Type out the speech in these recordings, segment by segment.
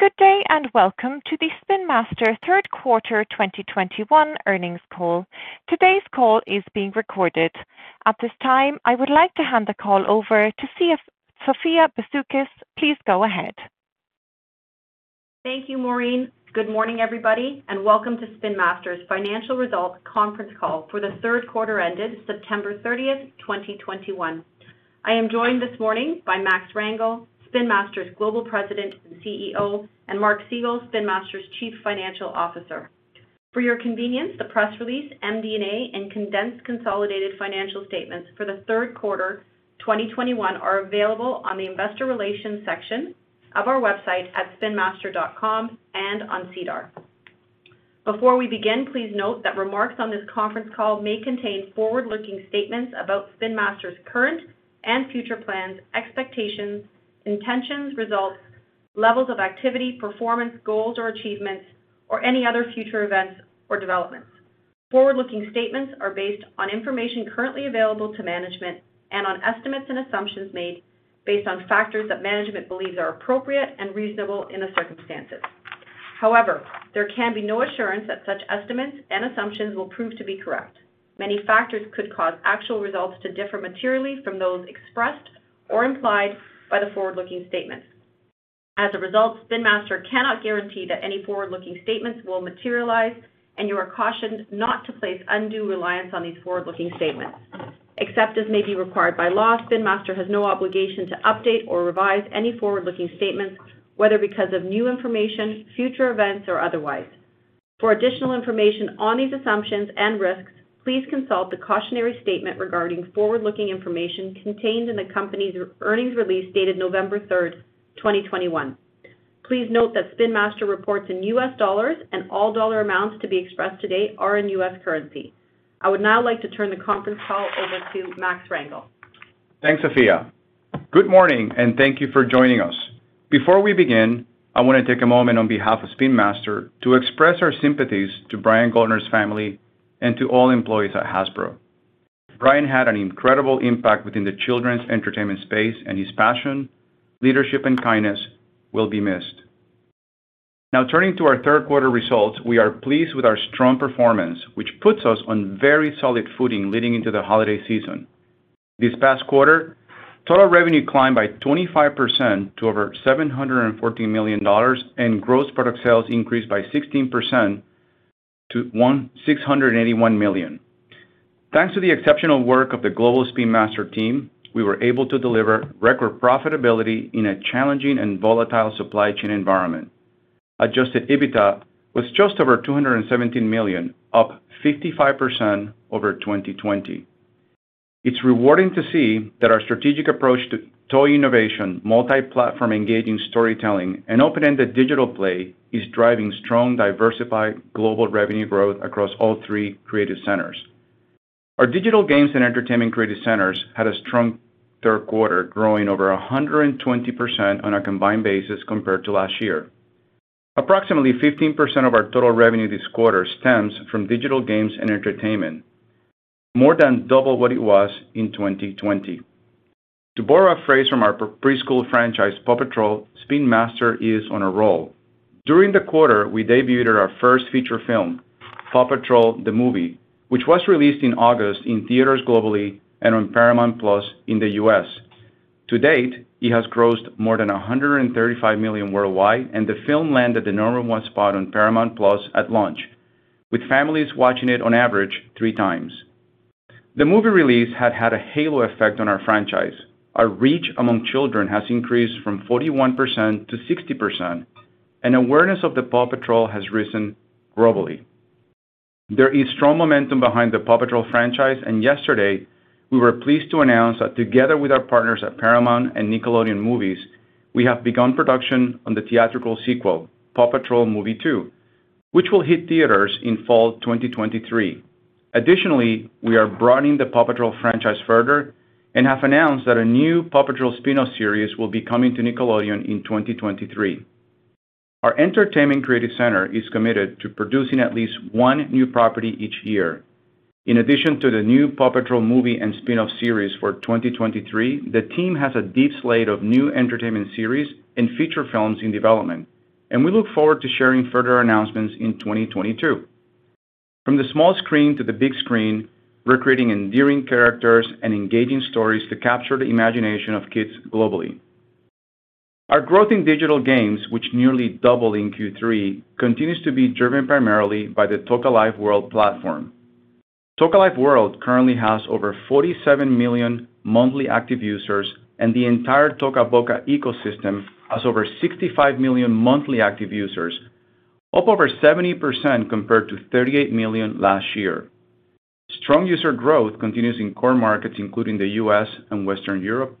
Good day, and welcome to the Spin Master third quarter 2021 earnings call. Today's call is being recorded. At this time, I would like to hand the call over to Sophia Bisoukis. Please go ahead. Thank you, Maureen. Good morning, everybody, and welcome to Spin Master's Financial Results Conference Call for the third quarter ended September 30, 2021. I am joined this morning by Max Rangel, Spin Master's Global President and CEO, and Mark Segal, Spin Master's Chief Financial Officer. For your convenience, the press release, MD&A, and condensed consolidated financial statements for the third quarter 2021 are available on the investor relations section of our website at spinmaster.com and on SEDAR. Before we begin, please note that remarks on this conference call may contain forward-looking statements about Spin Master's current and future plans, expectations, intentions, results, levels of activity, performance, goals or achievements or any other future events or developments. Forward-looking statements are based on information currently available to management and on estimates and assumptions made based on factors that management believes are appropriate and reasonable in the circumstances. However, there can be no assurance that such estimates and assumptions will prove to be correct. Many factors could cause actual results to differ materially from those expressed or implied by the forward-looking statements. As a result, Spin Master cannot guarantee that any forward-looking statements will materialize, and you are cautioned not to place undue reliance on these forward-looking statements. Except as may be required by law, Spin Master has no obligation to update or revise any forward-looking statements, whether because of new information, future events or otherwise. For additional information on these assumptions and risks, please consult the cautionary statement regarding forward-looking information contained in the company's earnings release dated November 3, 2021. Please note that Spin Master reports in U.S. dollars and all dollar amounts to be expressed today are in U.S. currency. I would now like to turn the conference call over to Max Rangel. Thanks, Sophia. Good morning, and thank you for joining us. Before we begin, I wanna take a moment on behalf of Spin Master to express our sympathies to Brian Goldner's family and to all employees at Hasbro. Brian had an incredible impact within the children's entertainment space and his passion, leadership and kindness will be missed. Now turning to our third quarter results, we are pleased with our strong performance, which puts us on very solid footing leading into the holiday season. This past quarter, total revenue climbed by 25% to over $714 million and gross product sales increased by 16% to $681 million. Thanks to the exceptional work of the global Spin Master team, we were able to deliver record profitability in a challenging and volatile supply chain environment. Adjusted EBITDA was just over $217 million, up 55% over 2020. It's rewarding to see that our strategic approach to toy innovation, multi-platform engaging storytelling and open-ended digital play is driving strong diversified global revenue growth across all three creative centers. Our digital games and entertainment creative centers had a strong third quarter, growing over 120% on a combined basis compared to last year. Approximately 15% of our total revenue this quarter stems from digital games and entertainment, more than double what it was in 2020. To borrow a phrase from our preschool franchise, PAW Patrol, Spin Master is on a roll. During the quarter, we debuted our first feature film, PAW Patrol: The Movie, which was released in August in theaters globally and on Paramount+ in the U.S.. To date, it has grossed more than $135 million worldwide, and the film landed the number one spot on Paramount+ at launch, with families watching it on average three times. The movie release had had a halo effect on our franchise. Our reach among children has increased from 41%-60%, and awareness of the PAW Patrol has risen globally. There is strong momentum behind the PAW Patrol franchise, and yesterday, we were pleased to announce that together with our partners at Paramount and Nickelodeon Movies, we have begun production on the theatrical sequel, PAW Patrol: Movie Two, which will hit theaters in fall 2023. Additionally, we are broadening the PAW Patrol franchise further and have announced that a new PAW Patrol spin-off series will be coming to Nickelodeon in 2023. Our entertainment creative center is committed to producing at least one new property each year. In addition to the new PAW Patrol movie and spin-off series for 2023, the team has a deep slate of new entertainment series and feature films in development. We look forward to sharing further announcements in 2022. From the small screen to the big screen, we're creating endearing characters and engaging stories to capture the imagination of kids globally. Our growth in digital games, which nearly doubled in Q3, continues to be driven primarily by the Toca Life World platform. Toca Life World currently has over 47 million monthly active users, and the entire Toca Boca ecosystem has over 65 million monthly active users, up over 70% compared to 38 million last year. Strong user growth continues in core markets, including the U.S. and Western Europe,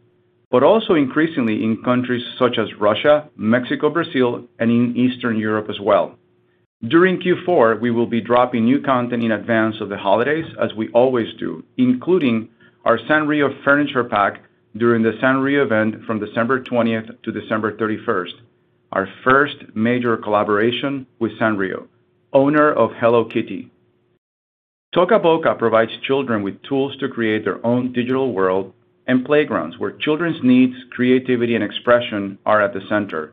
but also increasingly in countries such as Russia, Mexico, Brazil and in Eastern Europe as well. During Q4, we will be dropping new content in advance of the holidays as we always do, including our Sanrio furniture pack during the Sanrio event from December 20th-December 31st. Our first major collaboration with Sanrio, owner of Hello Kitty. Toca Boca provides children with tools to create their own digital world and playgrounds where children's needs, creativity, and expression are at the center.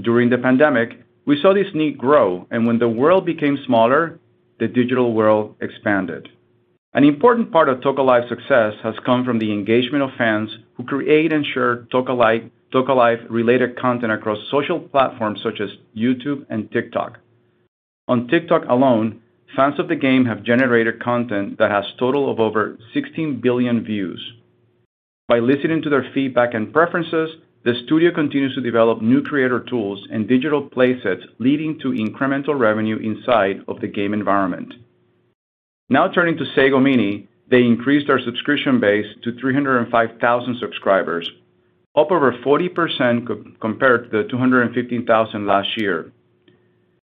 During the pandemic, we saw this need grow, and when the world became smaller, the digital world expanded. An important part of Toca Life's success has come from the engagement of fans who create and share Toca Life related content across social platforms such as YouTube and TikTok. On TikTok alone, fans of the game have generated content that has total of over 16 billion views. By listening to their feedback and preferences, the studio continues to develop new creator tools and digital playsets, leading to incremental revenue inside of the game environment. Now turning to Sago Mini, they increased our subscription base to 305,000 subscribers, up over 40% compared to the 215,000 last year.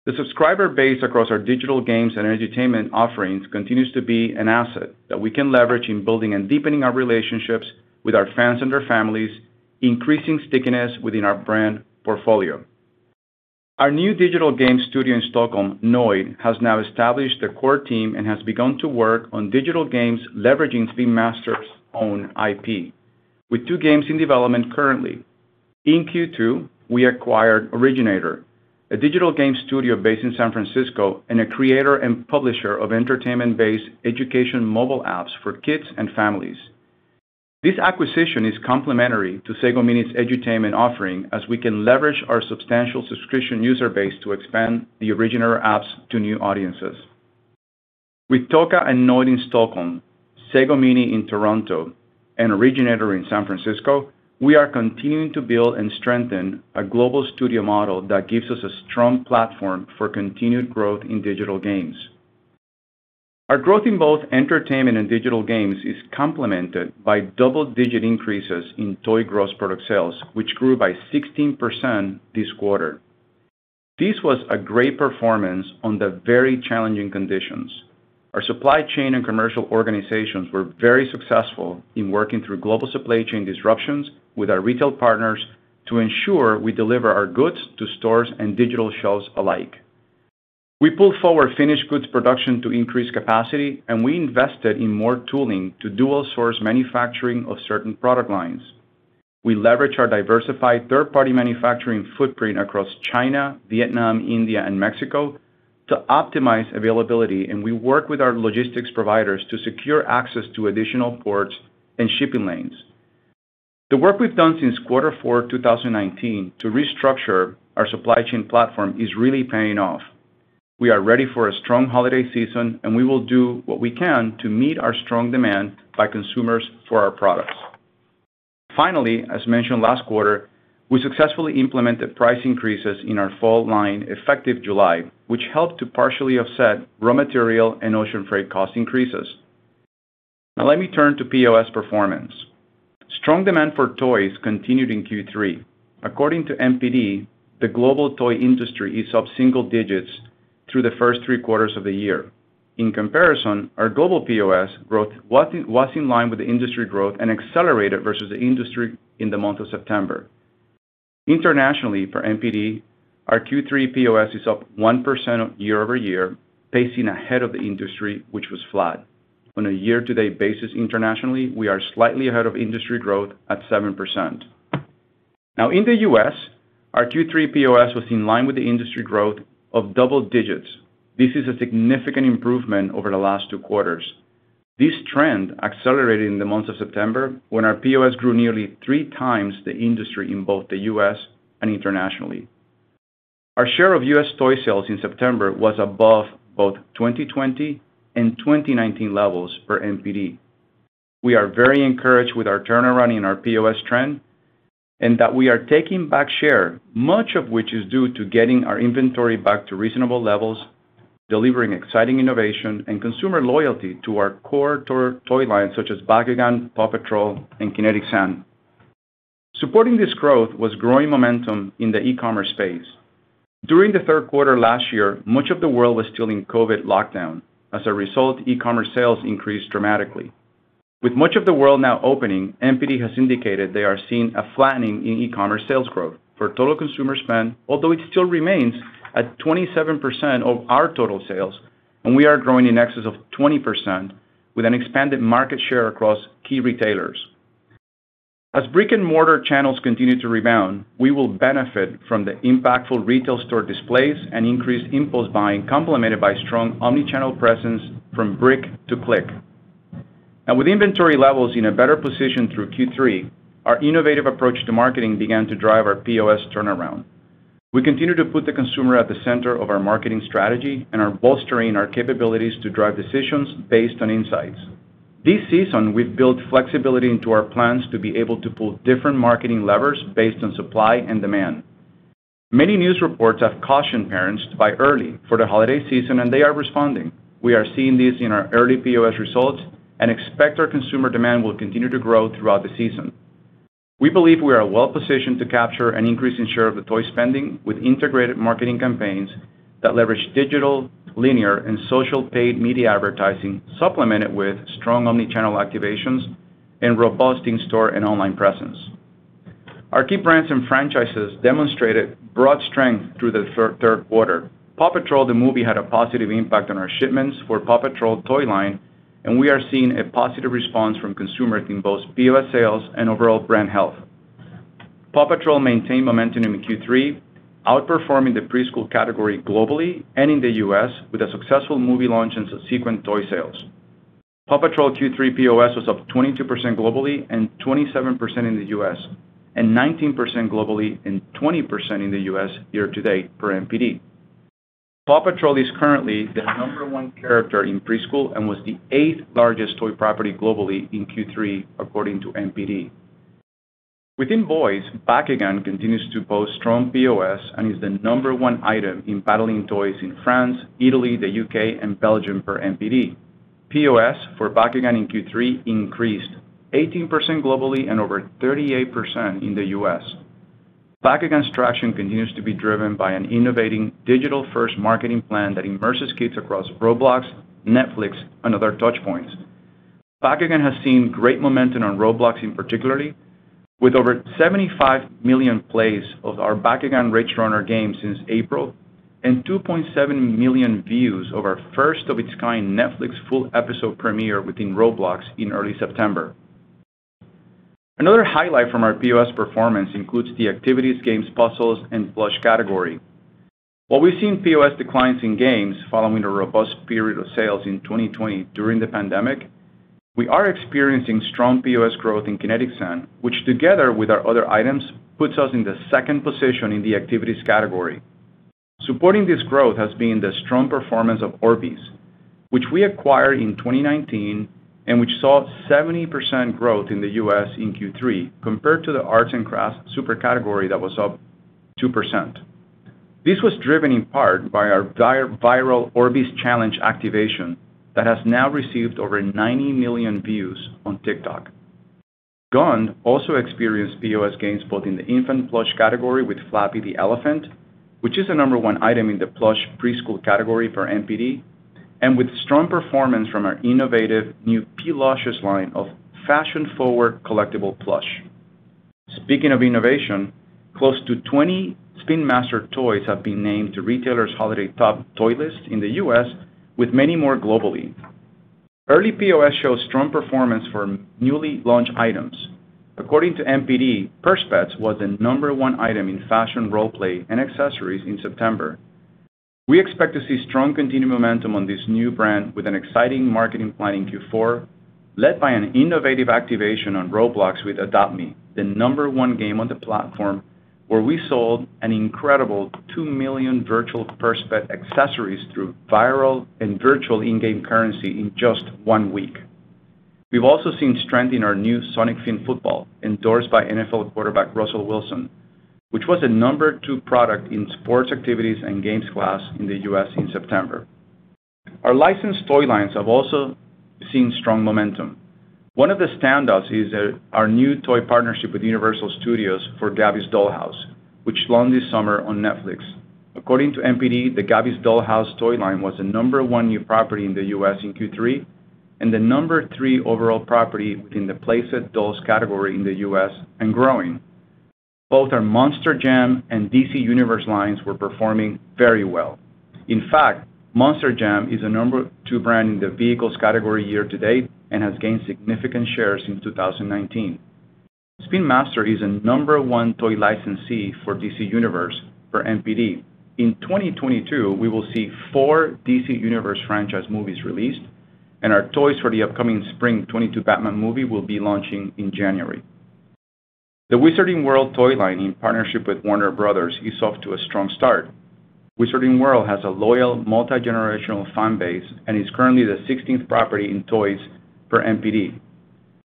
The subscriber base across our digital games and edutainment offerings continues to be an asset that we can leverage in building and deepening our relationships with our fans and their families, increasing stickiness within our brand portfolio. Our new digital game studio in Stockholm, Noid, has now established a core team and has begun to work on digital games leveraging Spin Master's own IP, with two games in development currently. In Q2, we acquired Originator, a digital game studio based in San Francisco and a creator and publisher of entertainment-based education mobile apps for kids and families. This acquisition is complementary to Sago Mini's edutainment offering, as we can leverage our substantial subscription user base to expand the Originator apps to new audiences. With Toca and Noid in Stockholm, Sago Mini in Toronto, and Originator in San Francisco, we are continuing to build and strengthen a global studio model that gives us a strong platform for continued growth in digital games. Our growth in both entertainment and digital games is complemented by double-digit increases in toy gross product sales, which grew by 16% this quarter. This was a great performance in the very challenging conditions. Our supply chain and commercial organizations were very successful in working through global supply chain disruptions with our retail partners to ensure we deliver our goods to stores and digital shelves alike. We pulled forward finished goods production to increase capacity, and we invested in more tooling to dual-source manufacturing of certain product lines. We leverage our diversified third-party manufacturing footprint across China, Vietnam, India, and Mexico to optimize availability, and we work with our logistics providers to secure access to additional ports and shipping lanes. The work we've done since quarter four, 2019 to restructure our supply chain platform is really paying off. We are ready for a strong holiday season, and we will do what we can to meet our strong demand by consumers for our products. Finally, as mentioned last quarter, we successfully implemented price increases in our fall line effective July, which helped to partially offset raw material and ocean freight cost increases. Now let me turn to POS performance. Strong demand for toys continued in Q3. According to NPD, the global toy industry is up single digits through the first three quarters of the year. In comparison, our global POS growth was in line with the industry growth and accelerated versus the industry in the month of September. Internationally, for NPD, our Q3 POS is up 1% year-over-year, pacing ahead of the industry, which was flat. On a year-to-date basis internationally, we are slightly ahead of industry growth at 7%. Now in the U.S., our Q3 POS was in line with the industry growth of double digits. This is a significant improvement over the last two quarters. This trend accelerated in the month of September when our POS grew nearly 3x the industry in both the U.S. and internationally. Our share of U.S. toy sales in September was above both 2020 and 2019 levels for NPD. We are very encouraged with our turnaround in our POS trend and that we are taking back share, much of which is due to getting our inventory back to reasonable levels, delivering exciting innovation and consumer loyalty to our core toy lines such as Bakugan, PAW Patrol, and Kinetic Sand. Supporting this growth was growing momentum in the e-commerce space. During the third quarter last year, much of the world was still in COVID lockdown. As a result, e-commerce sales increased dramatically. With much of the world now opening, NPD has indicated they are seeing a flattening in e-commerce sales growth for total consumer spend, although it still remains at 27% of our total sales, and we are growing in excess of 20% with an expanded market share across key retailers. As brick-and-mortar channels continue to rebound, we will benefit from the impactful retail store displays and increased impulse buying complemented by strong omni-channel presence from brick to click. Now with inventory levels in a better position through Q3, our innovative approach to marketing began to drive our POS turnaround. We continue to put the consumer at the center of our marketing strategy and are bolstering our capabilities to drive decisions based on insights. This season, we've built flexibility into our plans to be able to pull different marketing levers based on supply and demand. Many news reports have cautioned parents to buy early for the holiday season, and they are responding. We are seeing this in our early POS results and expect our consumer demand will continue to grow throughout the season. We believe we are well-positioned to capture an increasing share of the toy spending with integrated marketing campaigns that leverage digital, linear, and social paid media advertising, supplemented with strong omni-channel activations and robust in-store and online presence. Our key brands and franchises demonstrated broad strength through the third quarter. PAW Patrol, the movie had a positive impact on our shipments for PAW Patrol toy line, and we are seeing a positive response from consumers in both POS sales and overall brand health. PAW Patrol maintained momentum in Q3, outperforming the preschool category globally and in the U.S. with a successful movie launch and subsequent toy sales. PAW Patrol Q3 POS was up 22% globally and 27% in the U.S., and 19% globally and 20% in the U.S. year to date for NPD. PAW Patrol is currently the number one character in preschool and was the eighth largest toy property globally in Q3 according to NPD. Within boys, Bakugan continues to post strong POS and is the number one item in battling toys in France, Italy, the U.K., and Belgium per NPD. POS for Bakugan in Q3 increased 18% globally and over 38% in the U.S. Bakugan's traction continues to be driven by an innovative digital-first marketing plan that immerses kids across Roblox, Netflix, and other touch points. Bakugan has seen great momentum on Roblox in particular, with over 75 million plays of our Bakugan Rage Runner game since April, and 2.7 million views of our first of its kind Netflix full episode premiere within Roblox in early September. Another highlight from our POS performance includes the activities, games, puzzles, and plush category. While we've seen POS declines in games following a robust period of sales in 2020 during the pandemic, we are experiencing strong POS growth in Kinetic Sand, which together with our other items, puts us in the second position in the activities category. Supporting this growth has been the strong performance of Orbeez, which we acquired in 2019, and which saw 70% growth in the U.S. in Q3 compared to the arts and crafts super category that was up 2%. This was driven in part by our viral Orbeez challenge activation that has now received over 90 million views on TikTok. GUND also experienced POS gains both in the infant plush category with Flappy the Elephant, which is the number one item in the plush preschool category for NPD, and with strong performance from our innovative new P.Lushes line of fashion-forward collectible plush. Speaking of innovation, close to 20 Spin Master toys have been named to retailers' holiday top toy list in the U.S., with many more globally. Early POS shows strong performance for newly launched items. According to NPD, Purse Pets was the number one item in fashion role-play and accessories in September. We expect to see strong continued momentum on this new brand with an exciting marketing plan in Q4, led by an innovative activation on Roblox with Adopt Me!, the number one game on the platform, where we sold an incredible 2 million virtual Purse Pet accessories through viral and virtual in-game currency in just one week. We've also seen strength in our new Aerobie Sonic Fin Football, endorsed by NFL quarterback Russell Wilson, which was the number two product in sports activities and games class in the U.S. in September. Our licensed toy lines have also seen strong momentum. One of the standouts is our new toy partnership with Universal Studios for Gabby's Dollhouse, which launched this summer on Netflix. According to NPD, the Gabby's Dollhouse toy line was the number one new property in the U.S. in Q3, and the number three overall property within the Playset Dolls category in the U.S., and growing. Both our Monster Jam and DC Universe lines were performing very well. In fact, Monster Jam is the number two brand in the vehicles category year to date and has gained significant shares since 2019. Spin Master is a number one toy licensee for DC Universe per NPD. In 2022, we will see four DC Universe franchise movies released and our toys for the upcoming spring 2022 Batman movie will be launching in January. The Wizarding World toy line in partnership with Warner Bros. is off to a strong start. Wizarding World has a loyal multi-generational fan base and is currently the 16th property in toys per NPD.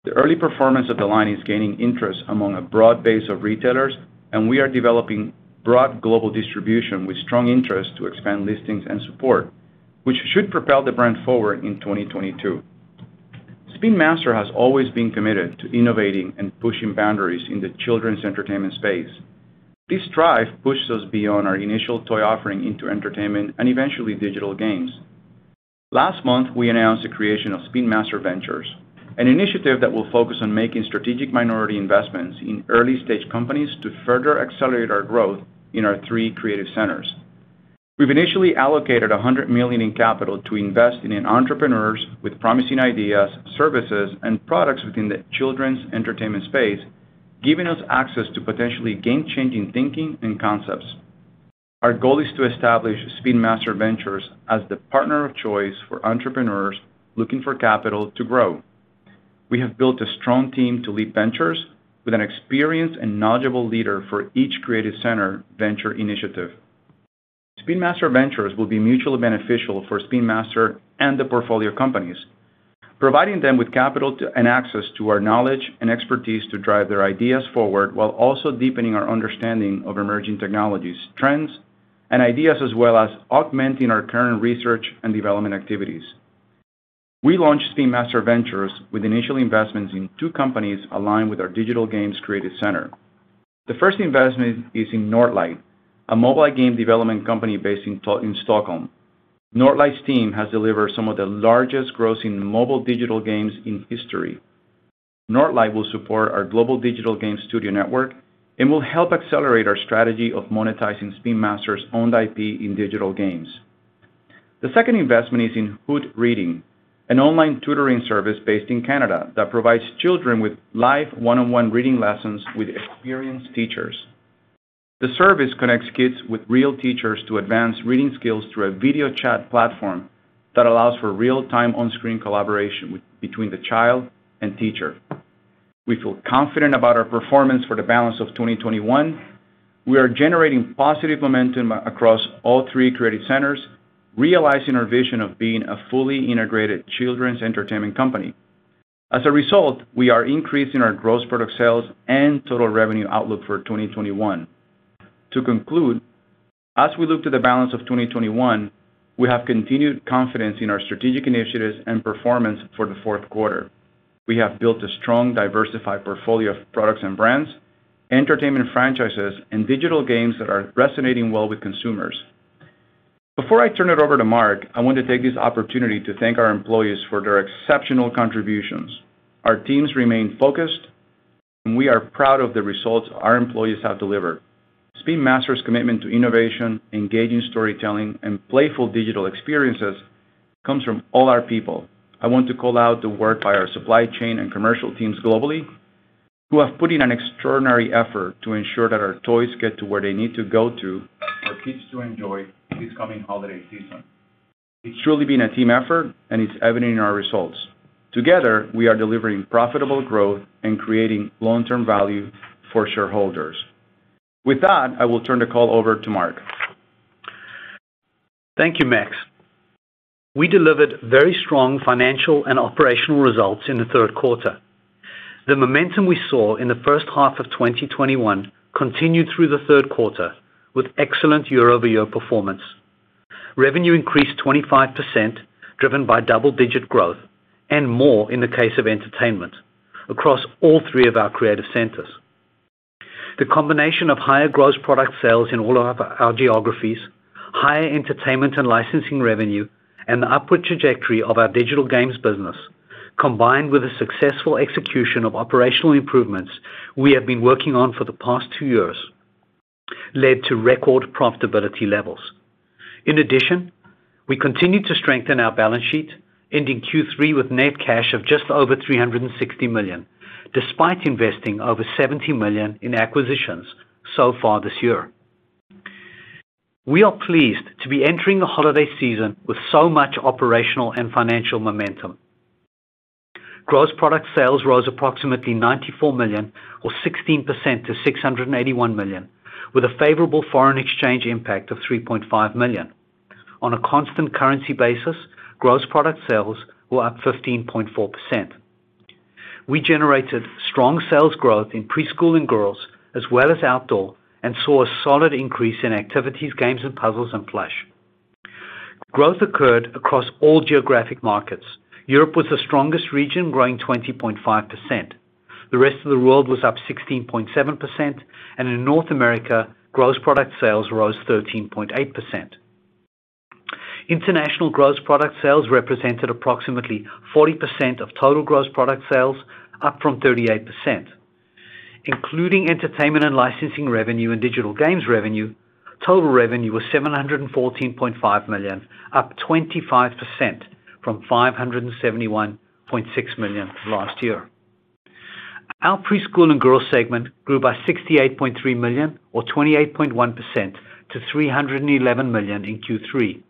The early performance of the line is gaining interest among a broad base of retailers, and we are developing broad global distribution with strong interest to expand listings and support, which should propel the brand forward in 2022. Spin Master has always been committed to innovating and pushing boundaries in the children's entertainment space. This drive pushes us beyond our initial toy offering into entertainment and eventually digital games. Last month, we announced the creation of Spin Master Ventures, an initiative that will focus on making strategic minority investments in early-stage companies to further accelerate our growth in our three creative centers. We've initially allocated $100 million in capital to invest in entrepreneurs with promising ideas, services, and products within the children's entertainment space, giving us access to potentially game-changing thinking and concepts. Our goal is to establish Spin Master Ventures as the partner of choice for entrepreneurs looking for capital to grow. We have built a strong team to lead ventures with an experienced and knowledgeable leader for each creative center venture initiative. Spin Master Ventures will be mutually beneficial for Spin Master and the portfolio companies, providing them with capital and access to our knowledge and expertise to drive their ideas forward while also deepening our understanding of emerging technologies, trends, and ideas, as well as augmenting our current research and development activities. We launched Spin Master Ventures with initial investments in two companies aligned with our digital games creative center. The first investment is in Nørdlight, a mobile game development company based in Stockholm. Nørdlight's team has delivered some of the largest grossing mobile digital games in history. Nørdlight will support our global digital game studio network and will help accelerate our strategy of monetizing Spin Master's owned IP in digital games. The second investment is in Hoot Reading, an online tutoring service based in Canada that provides children with live one-on-one reading lessons with experienced teachers. The service connects kids with real teachers to advance reading skills through a video chat platform that allows for real-time on-screen collaboration between the child and teacher. We feel confident about our performance for the balance of 2021. We are generating positive momentum across all three creative centers, realizing our vision of being a fully integrated children's entertainment company. As a result, we are increasing our gross product sales and total revenue outlook for 2021. To conclude, as we look to the balance of 2021, we have continued confidence in our strategic initiatives and performance for the fourth quarter. We have built a strong, diversified portfolio of products and brands, entertainment franchises, and digital games that are resonating well with consumers. Before I turn it over to Mark, I want to take this opportunity to thank our employees for their exceptional contributions. Our teams remain focused, and we are proud of the results our employees have delivered. Spin Master's commitment to innovation, engaging storytelling, and playful digital experiences comes from all our people. I want to call out the work by our supply chain and commercial teams globally, who have put in an extraordinary effort to ensure that our toys get to where they need to go for kids to enjoy this coming holiday season. It's truly been a team effort, and it's evident in our results. Together, we are delivering profitable growth and creating long-term value for shareholders. With that, I will turn the call over to Mark. Thank you, Max. We delivered very strong financial and operational results in the third quarter. The momentum we saw in the first half of 2021 continued through the third quarter with excellent year-over-year performance. Revenue increased 25%, driven by double-digit growth and more in the case of entertainment across all three of our creative centers. The combination of higher gross product sales in all of our geographies, higher entertainment and licensing revenue, and the upward trajectory of our digital games business, combined with the successful execution of operational improvements we have been working on for the past two years, led to record profitability levels. In addition, we continued to strengthen our balance sheet, ending Q3 with net cash of just over $360 million, despite investing over $70 million in acquisitions so far this year. We are pleased to be entering the holiday season with so much operational and financial momentum. Gross product sales rose approximately $94 million or 16% to $681 million, with a favorable foreign exchange impact of $3.5 million. On a constant currency basis, gross product sales were up 15.4%. We generated strong sales growth in preschool and girls, as well as outdoor, and saw a solid increase in activities, games and puzzles, and plush. Growth occurred across all geographic markets. Europe was the strongest region, growing 20.5%. The rest of the world was up 16.7%, and in North America, gross product sales rose 13.8%. International gross product sales represented approximately 40% of total gross product sales, up from 38%. Including entertainment and licensing revenue and digital games revenue, total revenue was $714.5 million, up 25% from $571.6 million last year. Our Preschool and Girls segment grew by $68.3 million or 28.1% to $311 million in Q3,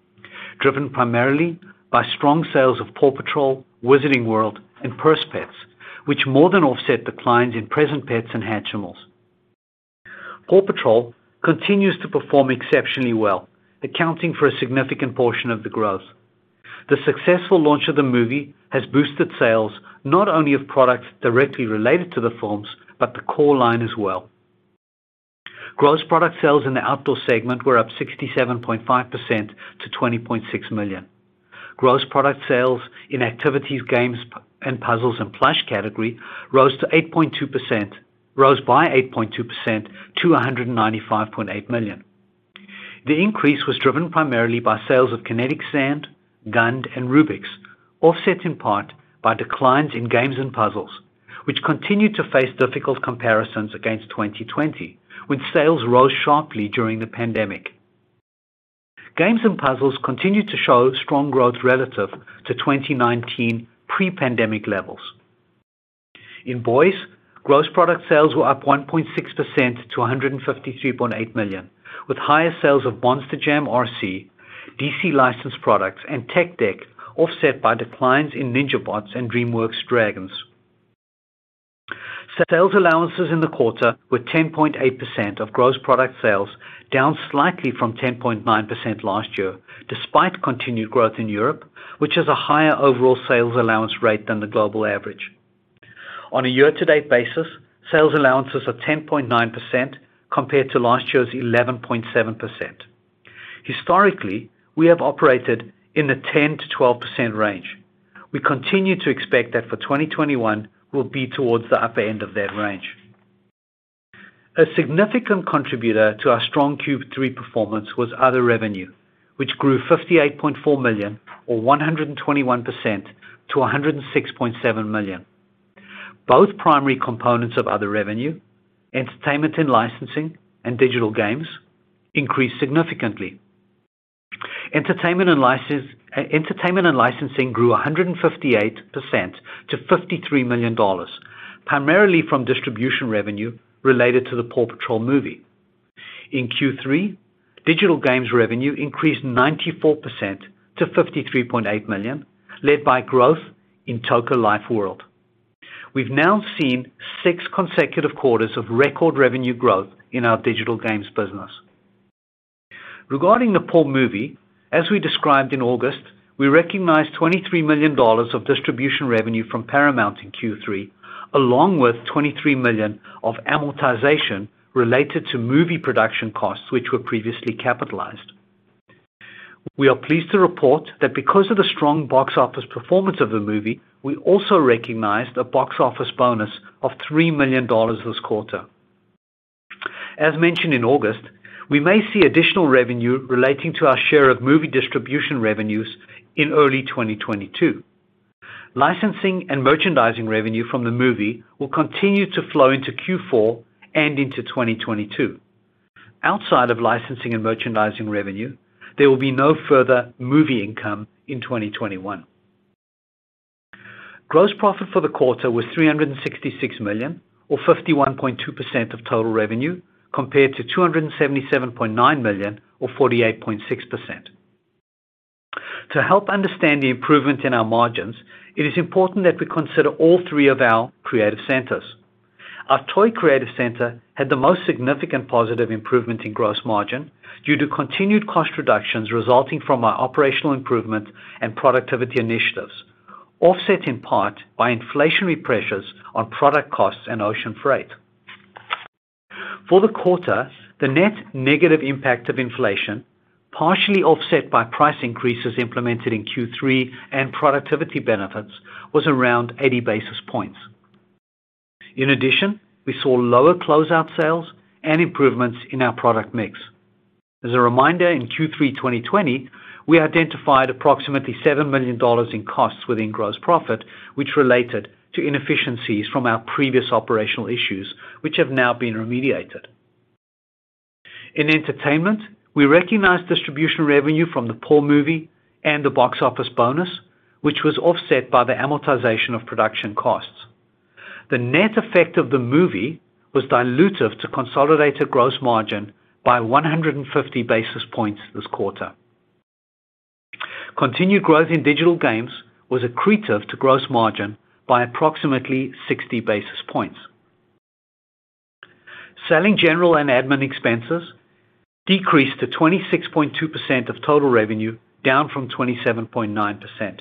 driven primarily by strong sales of PAW Patrol, Wizarding World, and Purse Pets, which more than offset declines in Present Pets and Hatchimals. PAW Patrol continues to perform exceptionally well, accounting for a significant portion of the growth. The successful launch of the movie has boosted sales not only of products directly related to the films, but the core line as well. Gross product sales in the outdoor segment were up 67.5% to $20.6 million. Gross product sales in activities, games, and puzzles, and plush category rose by 8.2% to $195.8 million. The increase was driven primarily by sales of Kinetic Sand, GUND, and Rubik's, offset in part by declines in games and puzzles, which continue to face difficult comparisons against 2020, when sales rose sharply during the pandemic. Games and puzzles continued to show strong growth relative to 2019 pre-pandemic levels. In Boys, gross product sales were up 1.6% to $153.8 million, with higher sales of Monster Jam RC, DC licensed products, and Tech Deck offset by declines in NinjaBots and DreamWorks Dragons. Sales allowances in the quarter were 10.8% of gross product sales, down slightly from 10.9% last year, despite continued growth in Europe, which has a higher overall sales allowance rate than the global average. On a year-to-date basis, sales allowances are 10.9% compared to last year's 11.7%. Historically, we have operated in the 10%-12% range. We continue to expect that for 2021 will be towards the upper end of that range. A significant contributor to our strong Q3 performance was other revenue, which grew $58.4 million or 121% to $106.7 million. Both primary components of other revenue, entertainment and licensing and digital games, increased significantly. Entertainment and licensing grew 158% to $53 million, primarily from distribution revenue related to the PAW Patrol movie. In Q3, digital games revenue increased 94% to $53.8 million, led by growth in Toca Life World. We've now seen six consecutive quarters of record revenue growth in our digital games business. Regarding the PAW movie, as we described in August, we recognized $23 million of distribution revenue from Paramount in Q3, along with $23 million of amortization related to movie production costs, which were previously capitalized. We are pleased to report that because of the strong box office performance of the movie, we also recognized a box office bonus of $3 million this quarter. As mentioned in August, we may see additional revenue relating to our share of movie distribution revenues in early 2022. Licensing and merchandising revenue from the movie will continue to flow into Q4 and into 2022. Outside of licensing and merchandising revenue, there will be no further movie income in 2021. Gross profit for the quarter was $366 million or 51.2% of total revenue, compared to $277.9 million or 48.6%. To help understand the improvement in our margins, it is important that we consider all three of our creative centers. Our toy creative center had the most significant positive improvement in gross margin due to continued cost reductions resulting from our operational improvement and productivity initiatives, offset in part by inflationary pressures on product costs and ocean freight. For the quarter, the net negative impact of inflation, partially offset by price increases implemented in Q3 and productivity benefits, was around 80 basis points. In addition, we saw lower closeout sales and improvements in our product mix. As a reminder, in Q3 2020, we identified approximately $7 million in costs within gross profit, which related to inefficiencies from our previous operational issues, which have now been remediated. In entertainment, we recognized distribution revenue from the PAW movie and the box office bonus, which was offset by the amortization of production costs. The net effect of the movie was dilutive to consolidated gross margin by 150 basis points this quarter. Continued growth in digital games was accretive to gross margin by approximately 60 basis points. Selling, general, and admin expenses decreased to 26.2% of total revenue, down from 27.9%.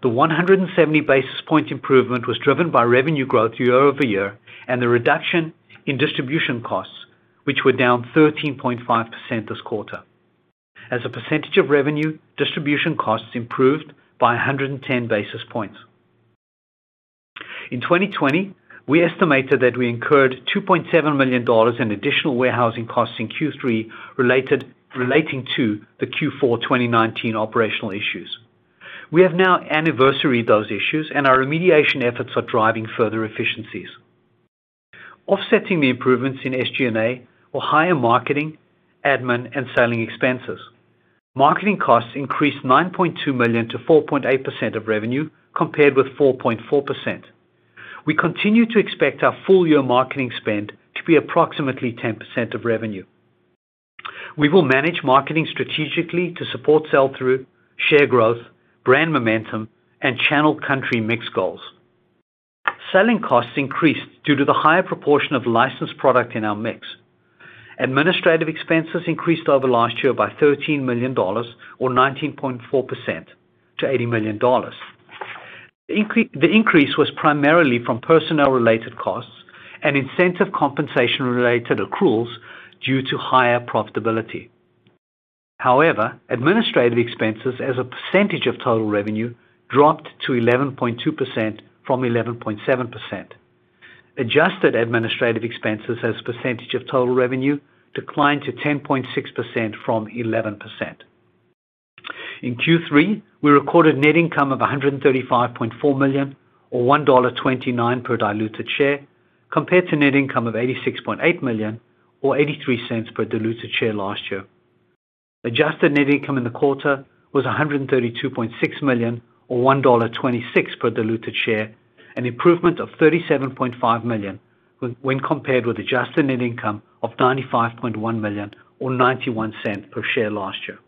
The 170 basis point improvement was driven by revenue growth year-over-year and the reduction in distribution costs, which were down 13.5% this quarter. As a % of revenue, distribution costs improved by 110 basis points. In 2020, we estimated that we incurred $2.7 million in additional warehousing costs in Q3 relating to the Q4 2019 operational issues. We have now anniversaried those issues, and our remediation efforts are driving further efficiencies. Offsetting the improvements in SG&A were higher marketing, admin, and selling expenses. Marketing costs increased $9.2 million to 4.8% of revenue, compared with 4.4%. We continue to expect our full year marketing spend to be approximately 10% of revenue. We will manage marketing strategically to support sell-through, share growth, brand momentum, and channel country mix goals. Selling costs increased due to the higher proportion of licensed product in our mix. Administrative expenses increased over last year by $13 million or 19.4% to $80 million. The increase was primarily from personnel-related costs and incentive compensation-related accruals due to higher profitability. However, administrative expenses as a % of total revenue dropped to 11.2% from 11.7%. Adjusted administrative expenses as a % of total revenue declined to 10.6% from 11%. In Q3, we recorded net income of $135.4 million or $1.29 per diluted share, compared to net income of $86.8 million or $0.83 per diluted share last year. Adjusted net income in the quarter was $132.6 million or $1.26 per diluted share, an improvement of $37.5 million when compared with adjusted net income of $95.1 million or $0.91 per share last year.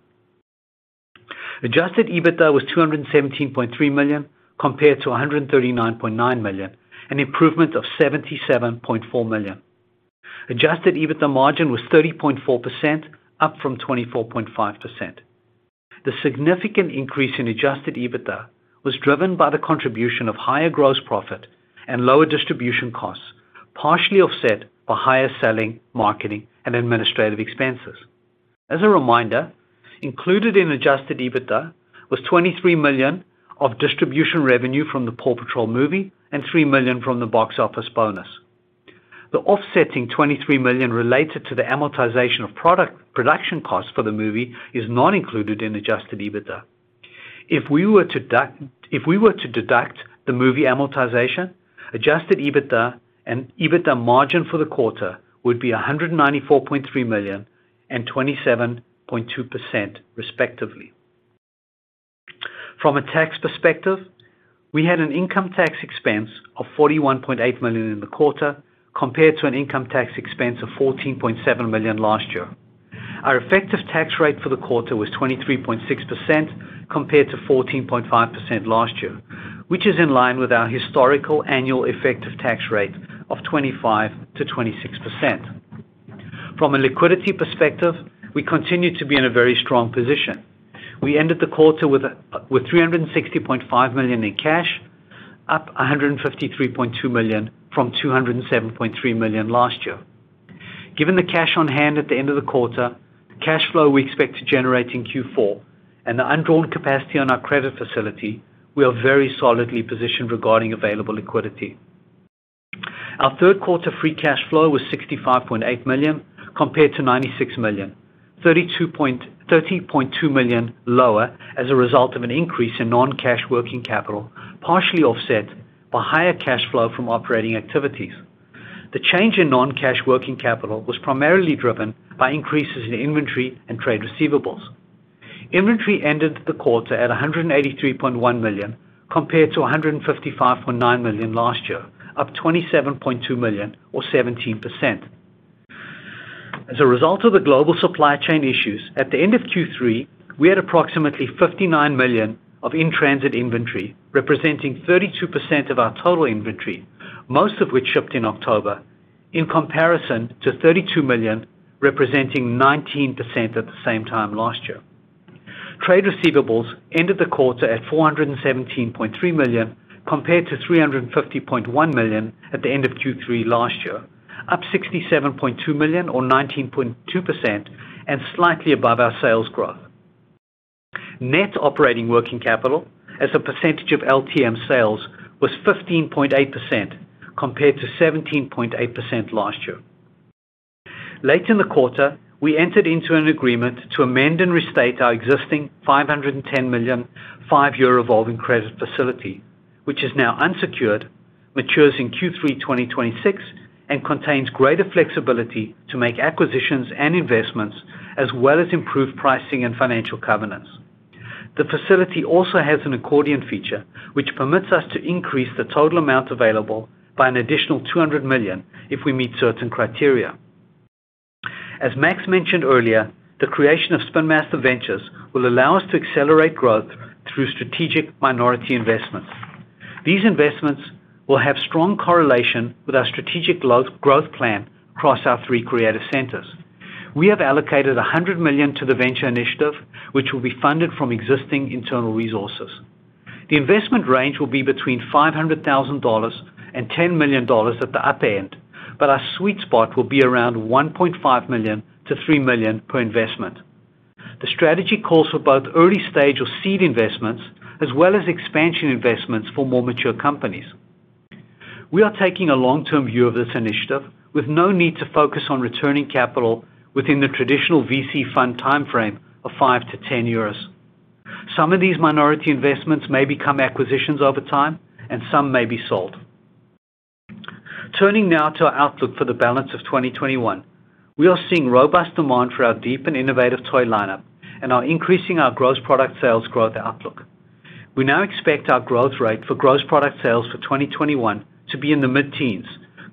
Adjusted EBITDA was $217.3 million compared to $139.9 million, an improvement of $77.4 million. Adjusted EBITDA margin was 30.4%, up from 24.5%. The significant increase in adjusted EBITDA was driven by the contribution of higher gross profit and lower distribution costs, partially offset by higher selling, marketing, and administrative expenses. As a reminder, included in adjusted EBITDA was $23 million of distribution revenue from the PAW Patrol movie and $3 million from the box office bonus. The offsetting $23 million related to the amortization of product production costs for the movie is not included in Adjusted EBITDA. If we were to deduct the movie amortization, Adjusted EBITDA and EBITDA margin for the quarter would be $194.3 million and 27.2% respectively. From a tax perspective, we had an income tax expense of $41.8 million in the quarter compared to an income tax expense of $14.7 million last year. Our effective tax rate for the quarter was 23.6% compared to 14.5% last year, which is in line with our historical annual effective tax rate of 25%-26%. From a liquidity perspective, we continue to be in a very strong position. We ended the quarter with $360.5 million in cash, up $153.2 million from $207.3 million last year. Given the cash on hand at the end of the quarter, the cash flow we expect to generate in Q4 and the undrawn capacity on our credit facility, we are very solidly positioned regarding available liquidity. Our third quarter free cash flow was $65.8 million compared to $96 million, $30.2 million lower as a result of an increase in non-cash working capital, partially offset by higher cash flow from operating activities. The change in non-cash working capital was primarily driven by increases in inventory and trade receivables. Inventory ended the quarter at $183.1 million compared to $155.9 million last year, up $27.2 million or 17%. As a result of the global supply chain issues, at the end of Q3, we had approximately $59 million of in-transit inventory, representing 32% of our total inventory, most of which shipped in October, in comparison to $32 million, representing 19% at the same time last year. Trade receivables ended the quarter at $417.3 million compared to $350.1 million at the end of Q3 last year, up $67.2 million or 19.2% and slightly above our sales growth. Net operating working capital as a % of LTM sales was 15.8% compared to 17.8% last year. Late in the quarter, we entered into an agreement to amend and restate our existing 510 million euro revolving credit facility, which is now unsecured, matures in Q3 2026, and contains greater flexibility to make acquisitions and investments as well as improve pricing and financial covenants. The facility also has an accordion feature, which permits us to increase the total amount available by an additional 200 million if we meet certain criteria. As Max mentioned earlier, the creation of Spin Master Ventures will allow us to accelerate growth through strategic minority investments. These investments will have strong correlation with our strategic growth plan across our three creative centers. We have allocated $100 million to the venture initiative, which will be funded from existing internal resources. The investment range will be between $500,000 and $10 million at the upper end, but our sweet spot will be around $1.5 million-$3 million per investment. The strategy calls for both early-stage or seed investments as well as expansion investments for more mature companies. We are taking a long-term view of this initiative with no need to focus on returning capital within the traditional VC fund timeframe of 5-10 years. Some of these minority investments may become acquisitions over time and some may be sold. Turning now to our outlook for the balance of 2021. We are seeing robust demand for our deep and innovative toy lineup and are increasing our gross product sales growth outlook. We now expect our growth rate for gross product sales for 2021 to be in the mid-teens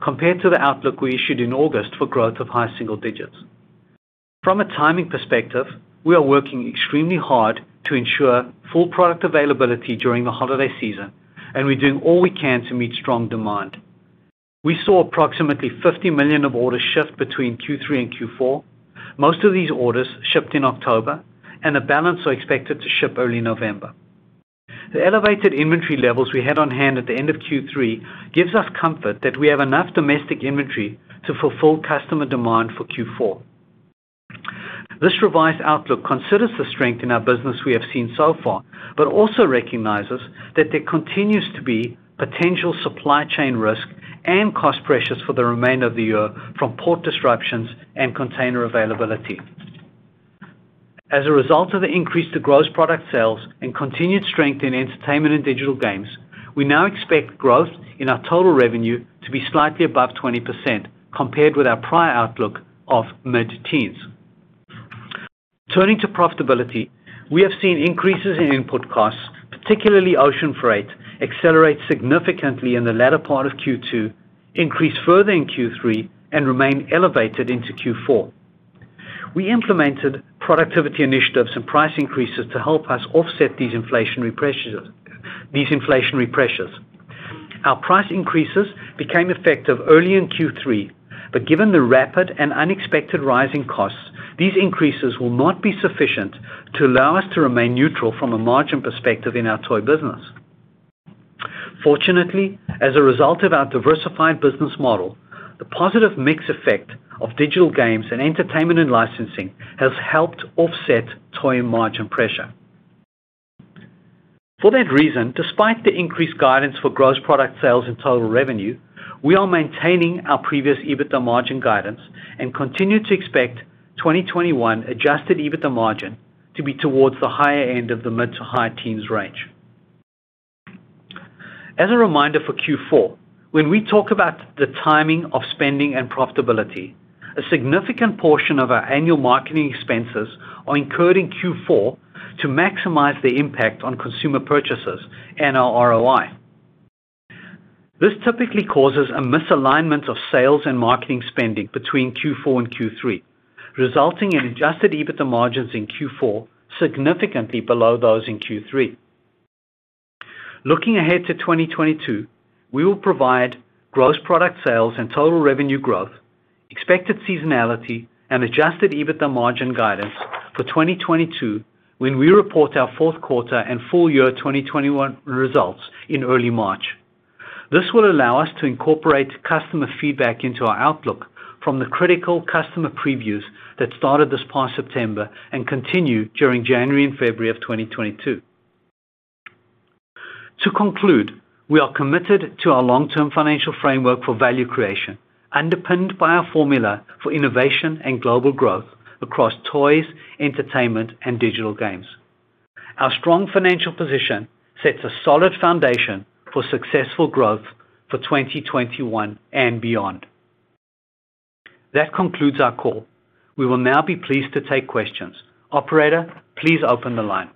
compared to the outlook we issued in August for growth of high single digits. From a timing perspective, we are working extremely hard to ensure full product availability during the holiday season, and we're doing all we can to meet strong demand. We saw approximately 50 million of orders shift between Q3 and Q4. Most of these orders shipped in October, and the balance are expected to ship early November. The elevated inventory levels we had on hand at the end of Q3 gives us comfort that we have enough domestic inventory to fulfill customer demand for Q4. This revised outlook considers the strength in our business we have seen so far, but also recognizes that there continues to be potential supply chain risk and cost pressures for the remainder of the year from port disruptions and container availability. As a result of the increase to gross product sales and continued strength in entertainment and digital games, we now expect growth in our total revenue to be slightly above 20% compared with our prior outlook of mid-teens. Turning to profitability, we have seen increases in input costs, particularly ocean freight, accelerate significantly in the latter part of Q2, increase further in Q3, and remain elevated into Q4. We implemented productivity initiatives and price increases to help us offset these inflationary pressures. Our price increases became effective early in Q3, but given the rapid and unexpected rising costs, these increases will not be sufficient to allow us to remain neutral from a margin perspective in our toy business. Fortunately, as a result of our diversified business model, the positive mix effect of digital games and entertainment and licensing has helped offset toy margin pressure. For that reason, despite the increased guidance for gross product sales and total revenue, we are maintaining our previous EBITDA margin guidance and continue to expect 2021 adjusted EBITDA margin to be towards the higher end of the mid- to high-teens range. As a reminder for Q4, when we talk about the timing of spending and profitability, a significant portion of our annual marketing expenses are incurred in Q4 to maximize the impact on consumer purchases and our ROI. This typically causes a misalignment of sales and marketing spending between Q4 and Q3, resulting in Adjusted EBITDA margins in Q4 significantly below those in Q3. Looking ahead to 2022, we will provide gross product sales and total revenue growth, expected seasonality, and Adjusted EBITDA margin guidance for 2022 when we report our fourth quarter and full year 2021 results in early March. This will allow us to incorporate customer feedback into our outlook from the critical customer previews that started this past September and continue during January and February of 2022. To conclude, we are committed to our long-term financial framework for value creation, underpinned by our formula for innovation and global growth across toys, entertainment, and digital games. Our strong financial position sets a solid foundation for successful growth for 2021 and beyond. That concludes our call. We will now be pleased to take questions. Operator, please open the line.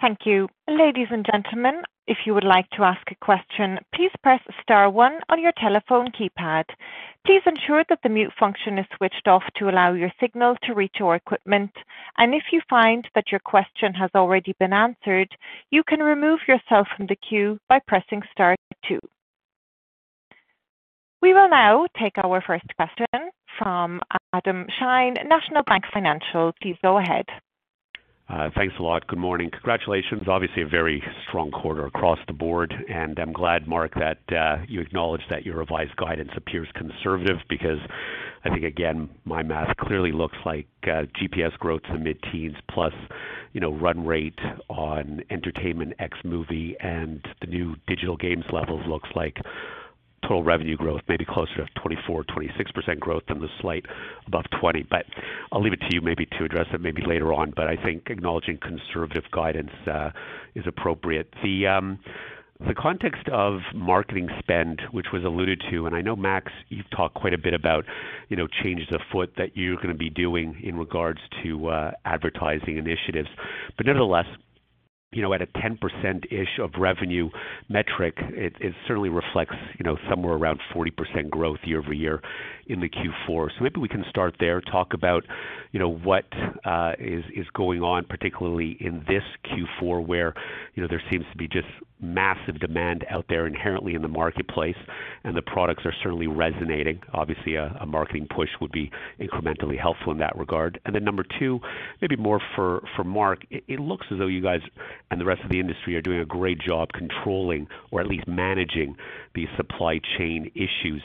Thank you. Ladies and gentlemen, if you would like to ask a question, please press star one on your telephone keypad. Please ensure that the mute function is switched off to allow your signal to reach our equipment. If you find that your question has already been answered, you can remove yourself from the queue by pressing star two. We will now take our first question from Adam Shine, National Bank Financial. Please go ahead. Thanks a lot. Good morning. Congratulations. Obviously a very strong quarter across the board, and I'm glad, Mark, that you acknowledge that your revised guidance appears conservative because I think again, my math clearly looks like GPS growth to mid-teens plus, you know, run rate on entertainment, ex movie, and the new digital games levels looks like total revenue growth, maybe closer to 24%-26% than slightly above 20%. I'll leave it to you maybe to address it maybe later on, but I think acknowledging conservative guidance is appropriate. The context of marketing spend, which was alluded to, and I know Max, you've talked quite a bit about, you know, changes afoot that you're gonna be doing in regards to advertising initiatives. Nonetheless, you know, at a 10%-ish of revenue metric, it certainly reflects, you know, somewhere around 40% growth year-over-year in the Q4. Maybe we can start there, talk about, you know, what is going on, particularly in this Q4, where, you know, there seems to be just massive demand out there inherently in the marketplace, and the products are certainly resonating. Obviously a marketing push would be incrementally helpful in that regard. Then number two, maybe more for Mark, it looks as though you guys and the rest of the industry are doing a great job controlling or at least managing these supply chain issues.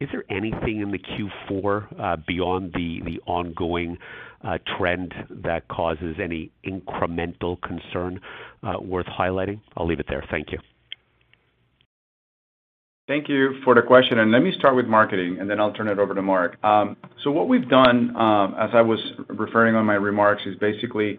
Is there anything in the Q4 beyond the ongoing trend that causes any incremental concern worth highlighting? I'll leave it there. Thank you. Thank you for the question, and let me start with marketing, and then I'll turn it over to Mark. So what we've done, as I was referring on my remarks, is basically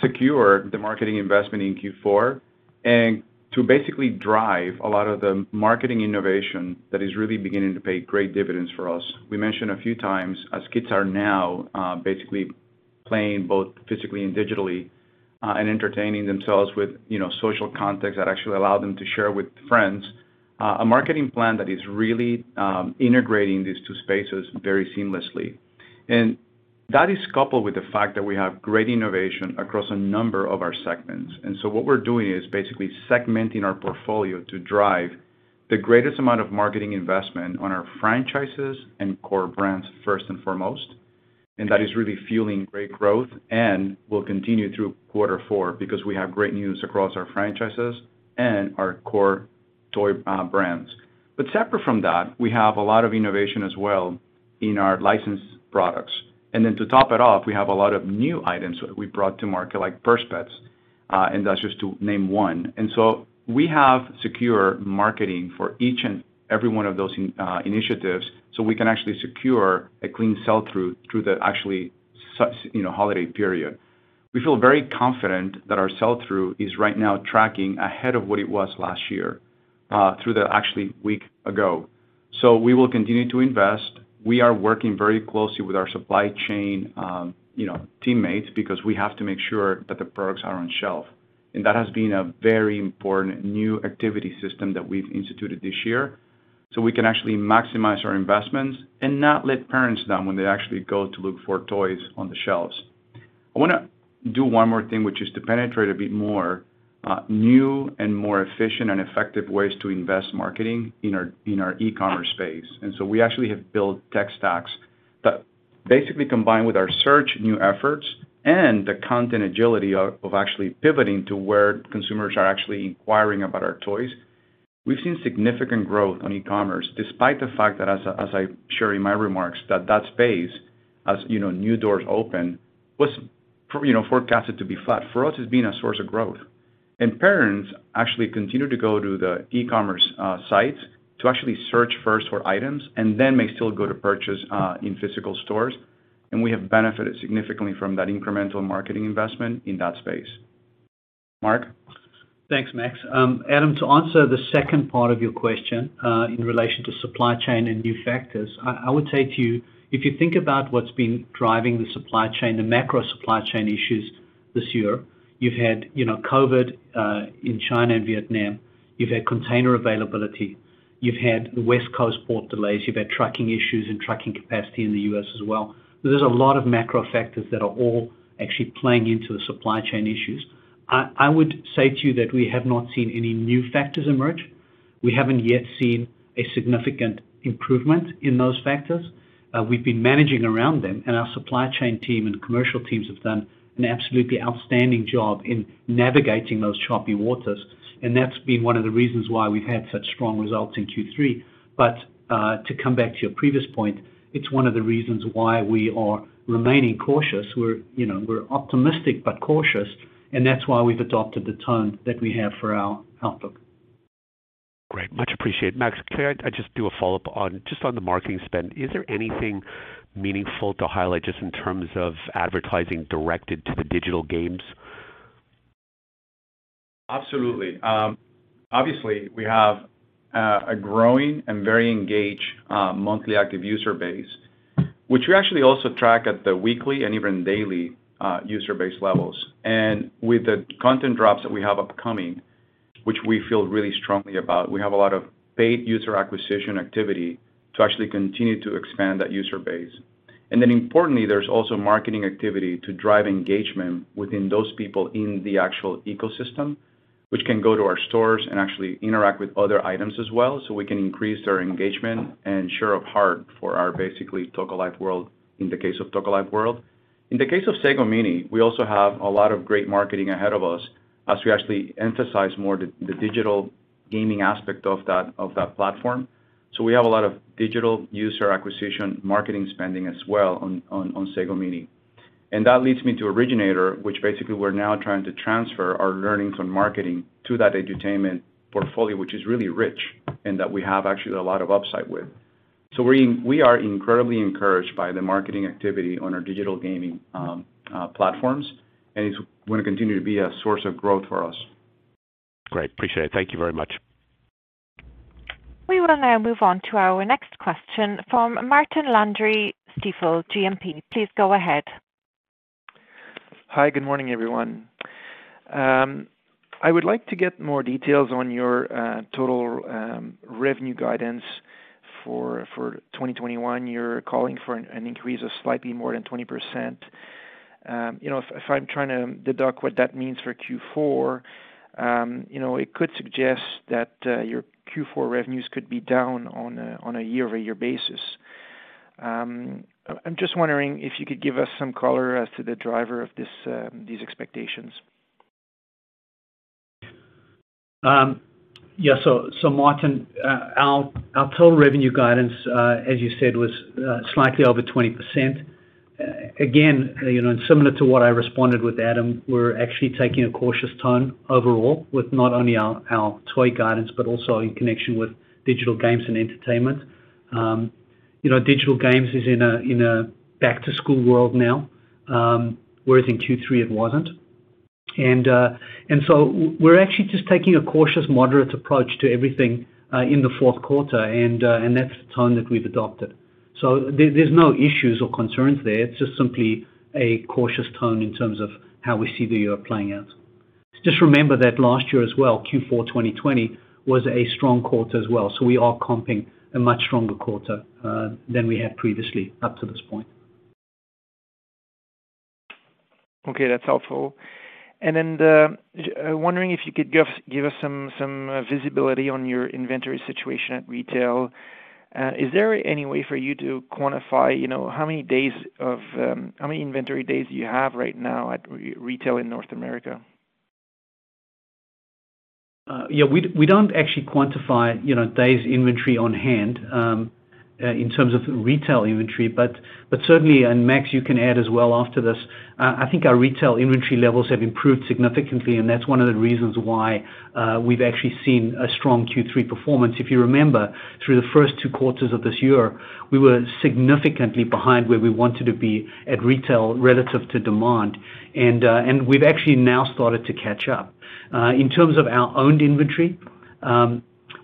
secure the marketing investment in Q4 and to basically drive a lot of the marketing innovation that is really beginning to pay great dividends for us. We mentioned a few times as kids are now basically playing both physically and digitally and entertaining themselves with, you know, social context that actually allow them to share with friends, a marketing plan that is really integrating these two spaces very seamlessly. That is coupled with the fact that we have great innovation across a number of our segments. What we're doing is basically segmenting our portfolio to drive the greatest amount of marketing investment on our franchises and core brands first and foremost. That is really fueling great growth and will continue through quarter four because we have great news across our franchises and our core toy brands. Separate from that, we have a lot of innovation as well in our licensed products. Then to top it off, we have a lot of new items that we brought to market, like Purse Pets, and that's just to name one. We have secure marketing for each and every one of those initiatives, so we can actually secure a clean sell-through through the actually you know, holiday period. We feel very confident that our sell-through is right now tracking ahead of what it was last year, through the actually week ago. We will continue to invest. We are working very closely with our supply chain, you know, teammates because we have to make sure that the products are on shelf. That has been a very important new activity system that we've instituted this year, so we can actually maximize our investments and not let parents down when they actually go to look for toys on the shelves. I wanna do one more thing, which is to penetrate a bit more, new and more efficient and effective ways to invest in marketing in our, in our e-commerce space. We actually have built tech stacks that basically combine with our search and new efforts and the content agility of actually pivoting to where consumers are actually inquiring about our toys. We've seen significant growth on e-commerce despite the fact that, as I share in my remarks, that space, as you know, new doors open, was forecasted to be flat. For us, it's been a source of growth. Parents actually continue to go to the e-commerce sites to actually search first for items and then may still go to purchase in physical stores, and we have benefited significantly from that incremental marketing investment in that space. Mark? Thanks, Max. Adam, to answer the second part of your question, in relation to supply chain and new factors, I would say to you, if you think about what's been driving the supply chain, the macro supply chain issues this year, you've had, you know, COVID, in China and Vietnam, you've had container availability, you've had the West Coast port delays, you've had trucking issues and trucking capacity in the U.S. as well. There's a lot of macro factors that are all actually playing into the supply chain issues. I would say to you that we have not seen any new factors emerge. We haven't yet seen a significant improvement in those factors. We've been managing around them, and our supply chain team and commercial teams have done an absolutely outstanding job in navigating those choppy waters, and that's been one of the reasons why we've had such strong results in Q3. To come back to your previous point, it's one of the reasons why we are remaining cautious. You know, we're optimistic but cautious, and that's why we've adopted the tone that we have for our outlook. Great. Much appreciated. Max, can I just do a follow-up on just the marketing spend. Is there anything meaningful to highlight just in terms of advertising directed to the digital games? Absolutely. Obviously, we have a growing and very engaged monthly active user base, which we actually also track at the weekly and even daily user base levels. With the content drops that we have upcoming, which we feel really strongly about, we have a lot of paid user acquisition activity to actually continue to expand that user base. Then importantly, there's also marketing activity to drive engagement within those people in the actual ecosystem, which can go to our stores and actually interact with other items as well, so we can increase their engagement and share of heart for our basically Toca Life World in the case of Toca Life World. In the case of Sago Mini, we also have a lot of great marketing ahead of us as we actually emphasize more the digital gaming aspect of that platform. We have a lot of digital user acquisition marketing spending as well on Sago Mini. That leads me to Originator, which basically we're now trying to transfer our learnings on marketing to that edutainment portfolio, which is really rich and that we have actually a lot of upside with. We are incredibly encouraged by the marketing activity on our digital gaming platforms, and it's gonna continue to be a source of growth for us. Great. Appreciate it. Thank you very much. We will now move on to our next question from Martin Landry, Stifel GMP. Please go ahead. Hi. Good morning, everyone. I would like to get more details on your total revenue guidance for 2021. You're calling for an increase of slightly more than 20%. You know, if I'm trying to deduce what that means for Q4, you know, it could suggest that your Q4 revenues could be down on a year-over-year basis. I'm just wondering if you could give us some color as to the driver of these expectations. Yeah. Martin, our total revenue guidance, as you said, was slightly over 20%. Again, you know, similar to what I responded with Adam, we're actually taking a cautious tone overall with not only our toy guidance, but also in connection with digital games and entertainment. You know, digital games is in a back to school world now, whereas in Q3, it wasn't. We're actually just taking a cautious, moderate approach to everything in the fourth quarter. That's the tone that we've adopted. There's no issues or concerns there. It's just simply a cautious tone in terms of how we see the year playing out. Just remember that last year as well, Q4 2020, was a strong quarter as well, so we are comping a much stronger quarter than we had previously up to this point. Okay, that's helpful. I'm wondering if you could give us some visibility on your inventory situation at retail. Is there any way for you to quantify how many days of inventory you have right now at retail in North America? Yeah. We don't actually quantify, you know, days inventory on hand in terms of retail inventory. Certainly, and Max, you can add as well after this, I think our retail inventory levels have improved significantly, and that's one of the reasons why we've actually seen a strong Q3 performance. If you remember, through the first two quarters of this year, we were significantly behind where we wanted to be at retail relative to demand. We've actually now started to catch up. In terms of our owned inventory,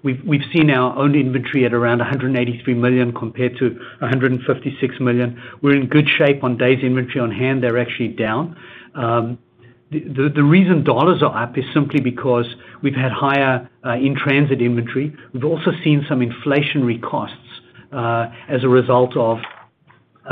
we've seen our owned inventory at around $183 million compared to $156 million. We're in good shape on days inventory on hand, they're actually down. The reason dollars are up is simply because we've had higher in-transit inventory. We've also seen some inflationary costs, as a result of,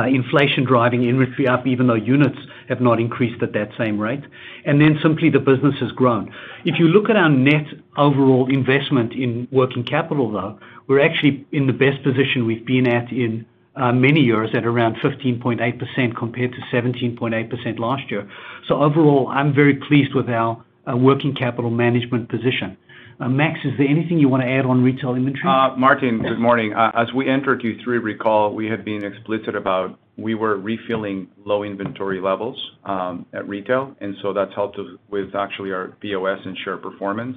inflation driving inventory up, even though units have not increased at that same rate. Then simply the business has grown. If you look at our net overall investment in working capital, though, we're actually in the best position we've been at in, many years, at around 15.8% compared to 17.8% last year. Overall, I'm very pleased with our working capital management position. Max, is there anything you wanna add on retail inventory? Martin, good morning. As we entered Q3, recall, we had been explicit about we were refilling low inventory levels at retail, and so that's helped us with actually our POS and share performance.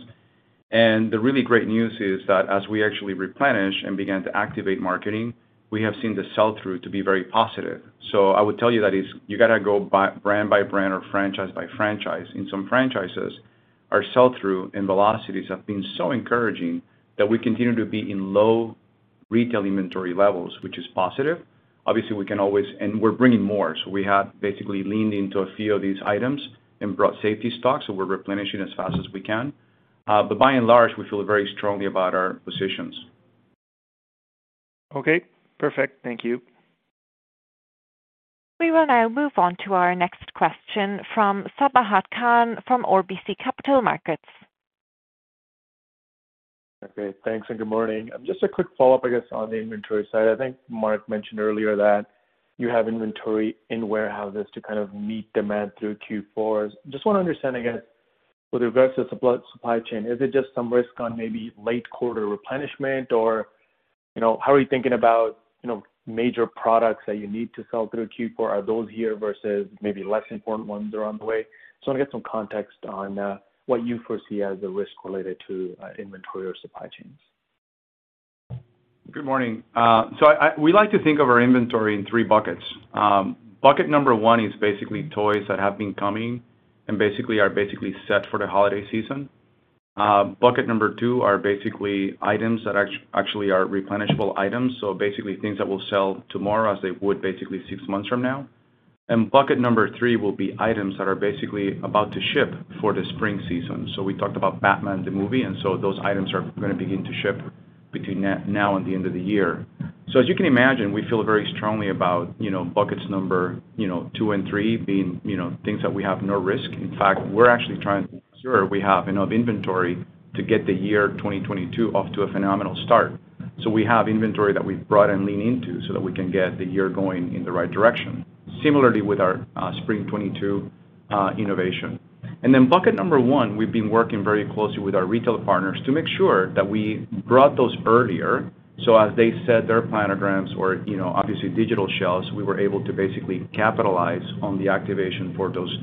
The really great news is that as we actually replenish and began to activate marketing, we have seen the sell-through to be very positive. I would tell you that is, you gotta go by brand by brand or franchise by franchise. In some franchises, our sell-through and velocities have been so encouraging that we continue to be in low retail inventory levels, which is positive. Obviously, we can always. We're bringing more, so we have basically leaned into a few of these items and brought safety stocks, so we're replenishing as fast as we can. But by and large, we feel very strongly about our positions. Okay. Perfect. Thank you. We will now move on to our next question from Sabahat Khan from RBC Capital Markets. Okay. Thanks, and good morning. Just a quick follow-up, I guess, on the inventory side. I think Mark mentioned earlier that you have inventory in warehouses to kind of meet demand through Q4. Just wanna understand, I guess, with regards to supply chain, is it just some risk on maybe late quarter replenishment or, you know, how are you thinking about, you know, major products that you need to sell through Q4? Are those here versus maybe less important ones are on the way? I wanna get some context on what you foresee as a risk related to inventory or supply chains. Good morning. We like to think of our inventory in threebbuckets. Bucket number one is basically toys that have been coming and basically are set for the holiday season. Bucket number two are basically items that actually are replenishable items, so basically things that will sell tomorrow as they would basically six months from now. Bucket number three will be items that are basically about to ship for the spring season. We talked about Batman, the movie, and those items are gonna begin to ship between now and the end of the year. As you can imagine, we feel very strongly about, you know, buckets number, you know, two and three being, you know, things that we have no risk. In fact, we're actually trying to ensure we have enough inventory to get the year 2022 off to a phenomenal start. We have inventory that we've brought and leaned into so that we can get the year going in the right direction. Similarly with our spring 2022 innovation, bucket number one, we've been working very closely with our retail partners to make sure that we brought those earlier. As they set their planograms or, you know, obviously digital shelves, we were able to basically capitalize on the activation for those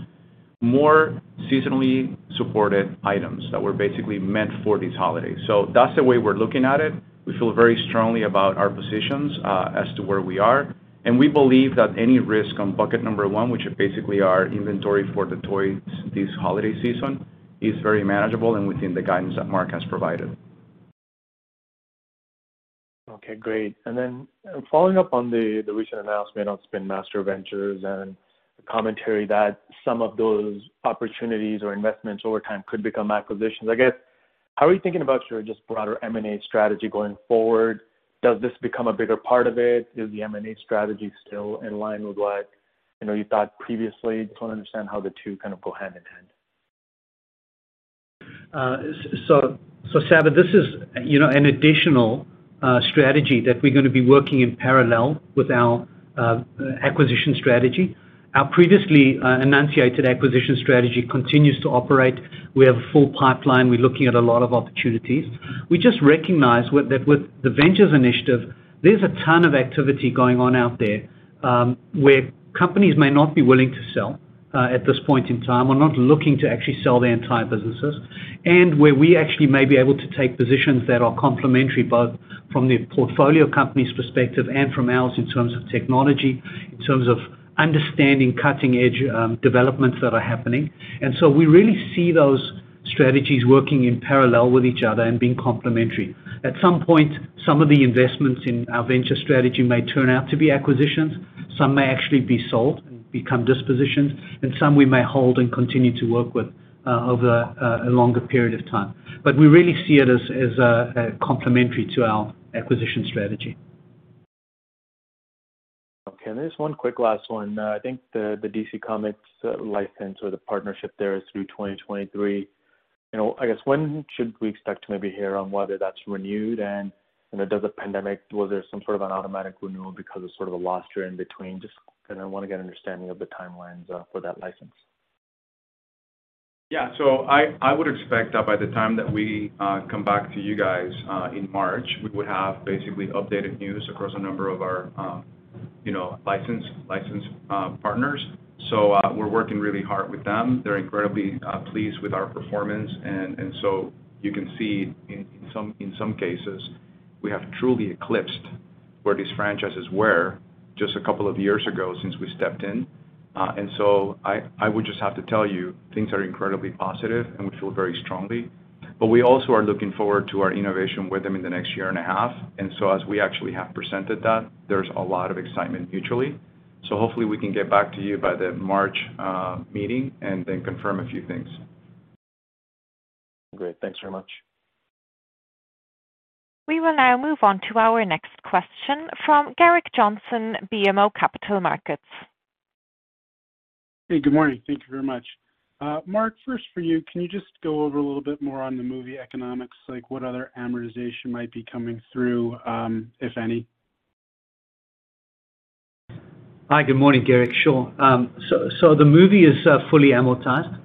more seasonally supported items that were basically meant for this holiday. That's the way we're looking at it. We feel very strongly about our positions, as to where we are, and we believe that any risk on bucket number one, which is basically our inventory for the toys this holiday season, is very manageable and within the guidance that Mark has provided. Okay, great. Following up on the recent announcement on Spin Master Ventures and the commentary that some of those opportunities or investments over time could become acquisitions. I guess, how are you thinking about your just broader M&A strategy going forward? Does this become a bigger part of it? Is the M&A strategy still in line with what, you know, you thought previously? Just wanna understand how the two kind of go hand in hand. Sabahat, this is, you know, an additional strategy that we're gonna be working in parallel with our acquisition strategy. Our previously enunciated acquisition strategy continues to operate. We have a full pipeline. We're looking at a lot of opportunities. We just recognize with the Ventures initiative, there's a ton of activity going on out there, where companies may not be willing to sell at this point in time. We're not looking to actually acquire their entire businesses. Where we actually may be able to take positions that are complementary both from the portfolio company's perspective and from ours in terms of technology, in terms of understanding cutting-edge developments that are happening. We really see those strategies working in parallel with each other and being complementary. At some point, some of the investments in our venture strategy may turn out to be acquisitions, some may actually be sold and become dispositions, and some we may hold and continue to work with over a longer period of time. We really see it as complementary to our acquisition strategy. Okay. There's one quick last one. I think the DC Comics license or the partnership there is through 2023. You know, I guess, when should we expect to maybe hear on whether that's renewed, and, you know, does the pandemic. Was there some sort of an automatic renewal because of sort of a lost year in between? Just kinda wanna get an understanding of the timelines for that license. Yeah. I would expect that by the time that we come back to you guys in March, we would have basically updated news across a number of our, you know, license partners. We're working really hard with them. They're incredibly pleased with our performance. You can see in some cases, we have truly eclipsed where these franchises were just a couple of years ago since we stepped in. I would just have to tell you, things are incredibly positive and we feel very strongly, but we also are looking forward to our innovation with them in the next year and a half. As we actually have presented that, there's a lot of excitement mutually. Hopefully we can get back to you by the March meeting and then confirm a few things. Great. Thanks very much. We will now move on to our next question from Gerrick Johnson, BMO Capital Markets. Hey, good morning. Thank you very much. Mark, first for you. Can you just go over a little bit more on the movie economics like what other amortization might be coming through, if any? Hi. Good morning, Gerrick. Sure. So the movie is fully amortized.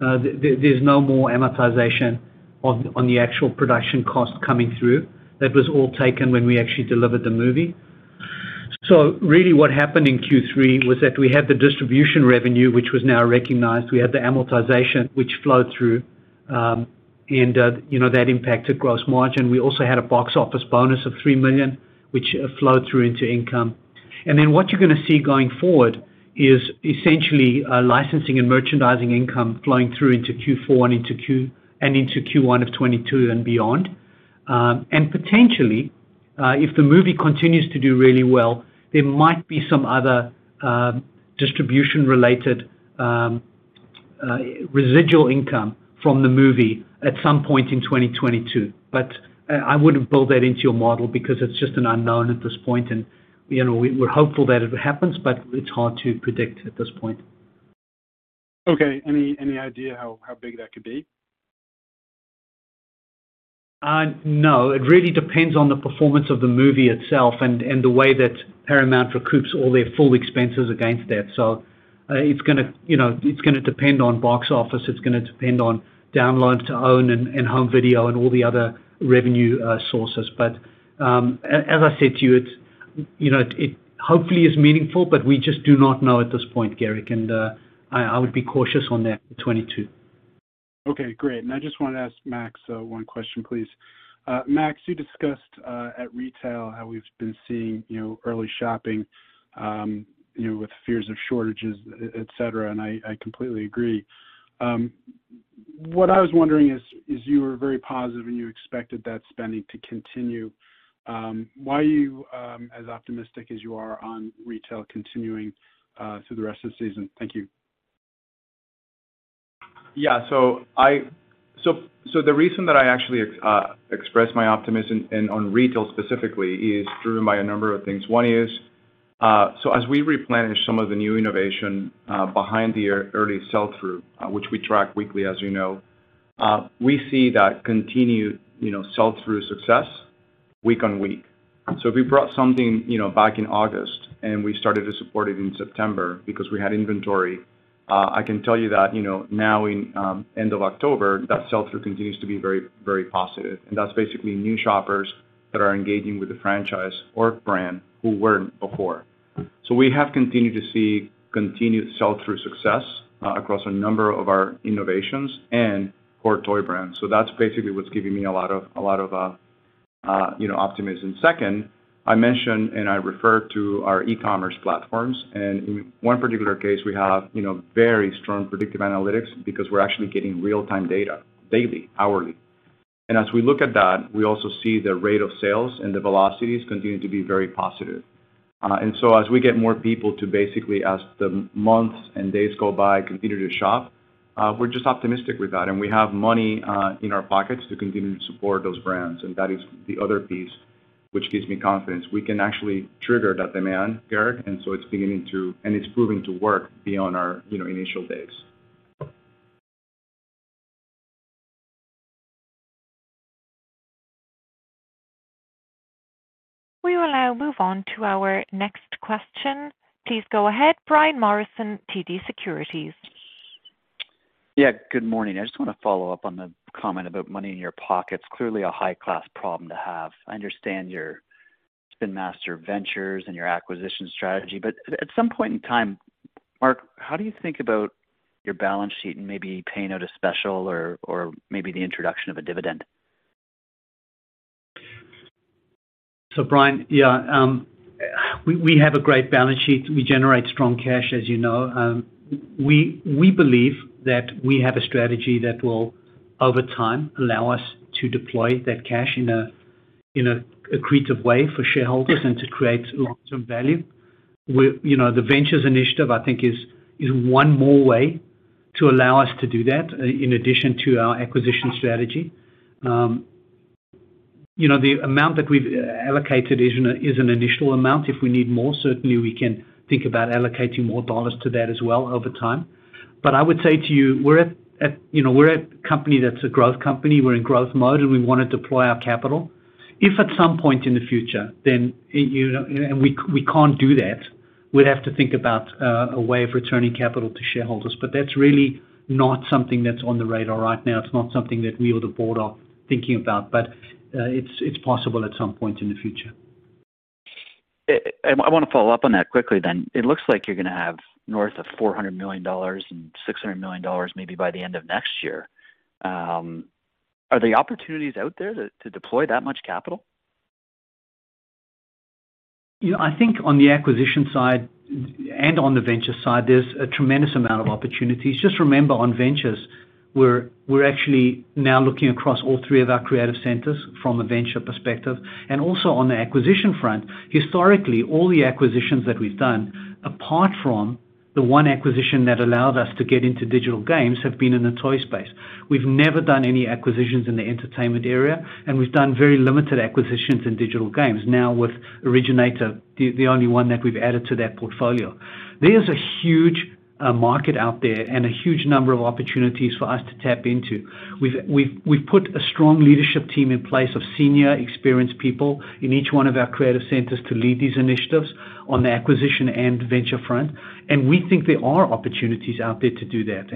There's no more amortization on the actual production cost coming through. That was all taken when we actually delivered the movie. Really what happened in Q3 was that we had the distribution revenue, which was now recognized. We had the amortization which flowed through, and you know, that impacted gross margin. We also had a box office bonus of $3 million, which flowed through into income. Then what you're gonna see going forward is essentially licensing and merchandising income flowing through into Q4 and into Q1 of 2022 and beyond. Potentially, if the movie continues to do really well, there might be some other distribution related residual income from the movie at some point in 2022. I wouldn't build that into your model because it's just an unknown at this point. You know, we're hopeful that it happens, but it's hard to predict at this point. Okay. Any idea how big that could be? No, it really depends on the performance of the movie itself and the way that Paramount recoups all their full expenses against that. It's gonna, you know, depend on box office. It's gonna depend on download to own and home video and all the other revenue sources. As I said to you, it's, you know, it hopefully is meaningful, but we just do not know at this point, Garrick, and I would be cautious on that for 2022. Okay, great. I just wanna ask Max, one question, please. Max, you discussed, at retail how we've been seeing, you know, early shopping, you know, with fears of shortages, et cetera, and I completely agree. What I was wondering is you were very positive, and you expected that spending to continue. Why are you as optimistic as you are on retail continuing through the rest of the season? Thank you. The reason that I actually express my optimism on retail specifically is driven by a number of things. One is, as we replenish some of the new innovation behind the early sell-through, which we track weekly, as you know, we see that continue sell-through success week on week. If we brought something, you know, back in August, and we started to support it in September because we had inventory, I can tell you that, you know, now in end of October, that sell-through continues to be very, very positive. That's basically new shoppers that are engaging with the franchise or brand who weren't before. We have continued to see continued sell-through success across a number of our innovations and core toy brands. That's basically what's giving me a lot of you know optimism. Second, I mentioned, and I referred to our e-commerce platforms, and in one particular case, we have you know very strong predictive analytics because we're actually getting real-time data daily, hourly. As we look at that, we also see the rate of sales and the velocities continue to be very positive. As we get more people to basically as the months and days go by, continue to shop, we're just optimistic with that. We have money in our pockets to continue to support those brands, and that is the other piece which gives me confidence. We can actually trigger that demand, Garrick, it's beginning to and it's proving to work beyond our you know initial days. We will now move on to our next question. Please go ahead, Brian Morrison, TD Securities. Yeah, good morning. I just wanna follow up on the comment about money in your pockets. Clearly a high-class problem to have. I understand your Spin Master Ventures and your acquisition strategy. At some point in time, Mark, how do you think about your balance sheet and maybe paying out a special or maybe the introduction of a dividend? Brian, we have a great balance sheet. We generate strong cash, as you know. We believe that we have a strategy that will, over time, allow us to deploy that cash in an accretive way for shareholders and to create long-term value. You know, the Ventures initiative, I think, is one more way to allow us to do that in addition to our acquisition strategy. You know, the amount that we've allocated is an initial amount. If we need more, certainly we can think about allocating more dollars to that as well over time. I would say to you know, we're a company that's a growth company. We're in growth mode, and we wanna deploy our capital. If at some point in the future, then, and you know, and we can't do that, we'd have to think about a way of returning capital to shareholders. That's really not something that's on the radar right now. It's not something that we or the board are thinking about. It's possible at some point in the future. I wanna follow up on that quickly then. It looks like you're gonna have north of $400 million and $600 million maybe by the end of next year. Are the opportunities out there to deploy that much capital? You know, I think on the acquisition side and on the venture side, there's a tremendous amount of opportunities. Just remember on ventures, we're actually now looking across all three of our creative centers from a venture perspective and also on the acquisition front. Historically, all the acquisitions that we've done, apart from the one acquisition that allowed us to get into digital games, have been in the toy space. We've never done any acquisitions in the entertainment area, and we've done very limited acquisitions in digital games. Now, with Originator, the only one that we've added to that portfolio, there's a huge market out there and a huge number of opportunities for us to tap into. We've put a strong leadership team in place of senior experienced people in each one of our creative centers to lead these initiatives on the acquisition and venture front. We think there are opportunities out there to do that.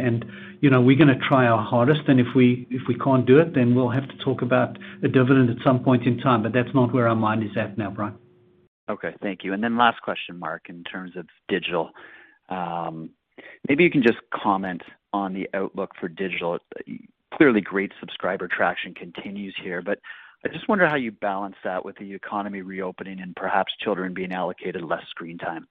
You know, we're gonna try our hardest. If we can't do it, then we'll have to talk about a dividend at some point in time. That's not where our mind is at now, Brian. Okay. Thank you. Last question, Mark, in terms of digital. Maybe you can just comment on the outlook for digital. Clearly, great subscriber traction continues here, but I just wonder how you balance that with the economy reopening and perhaps children being allocated less screen time?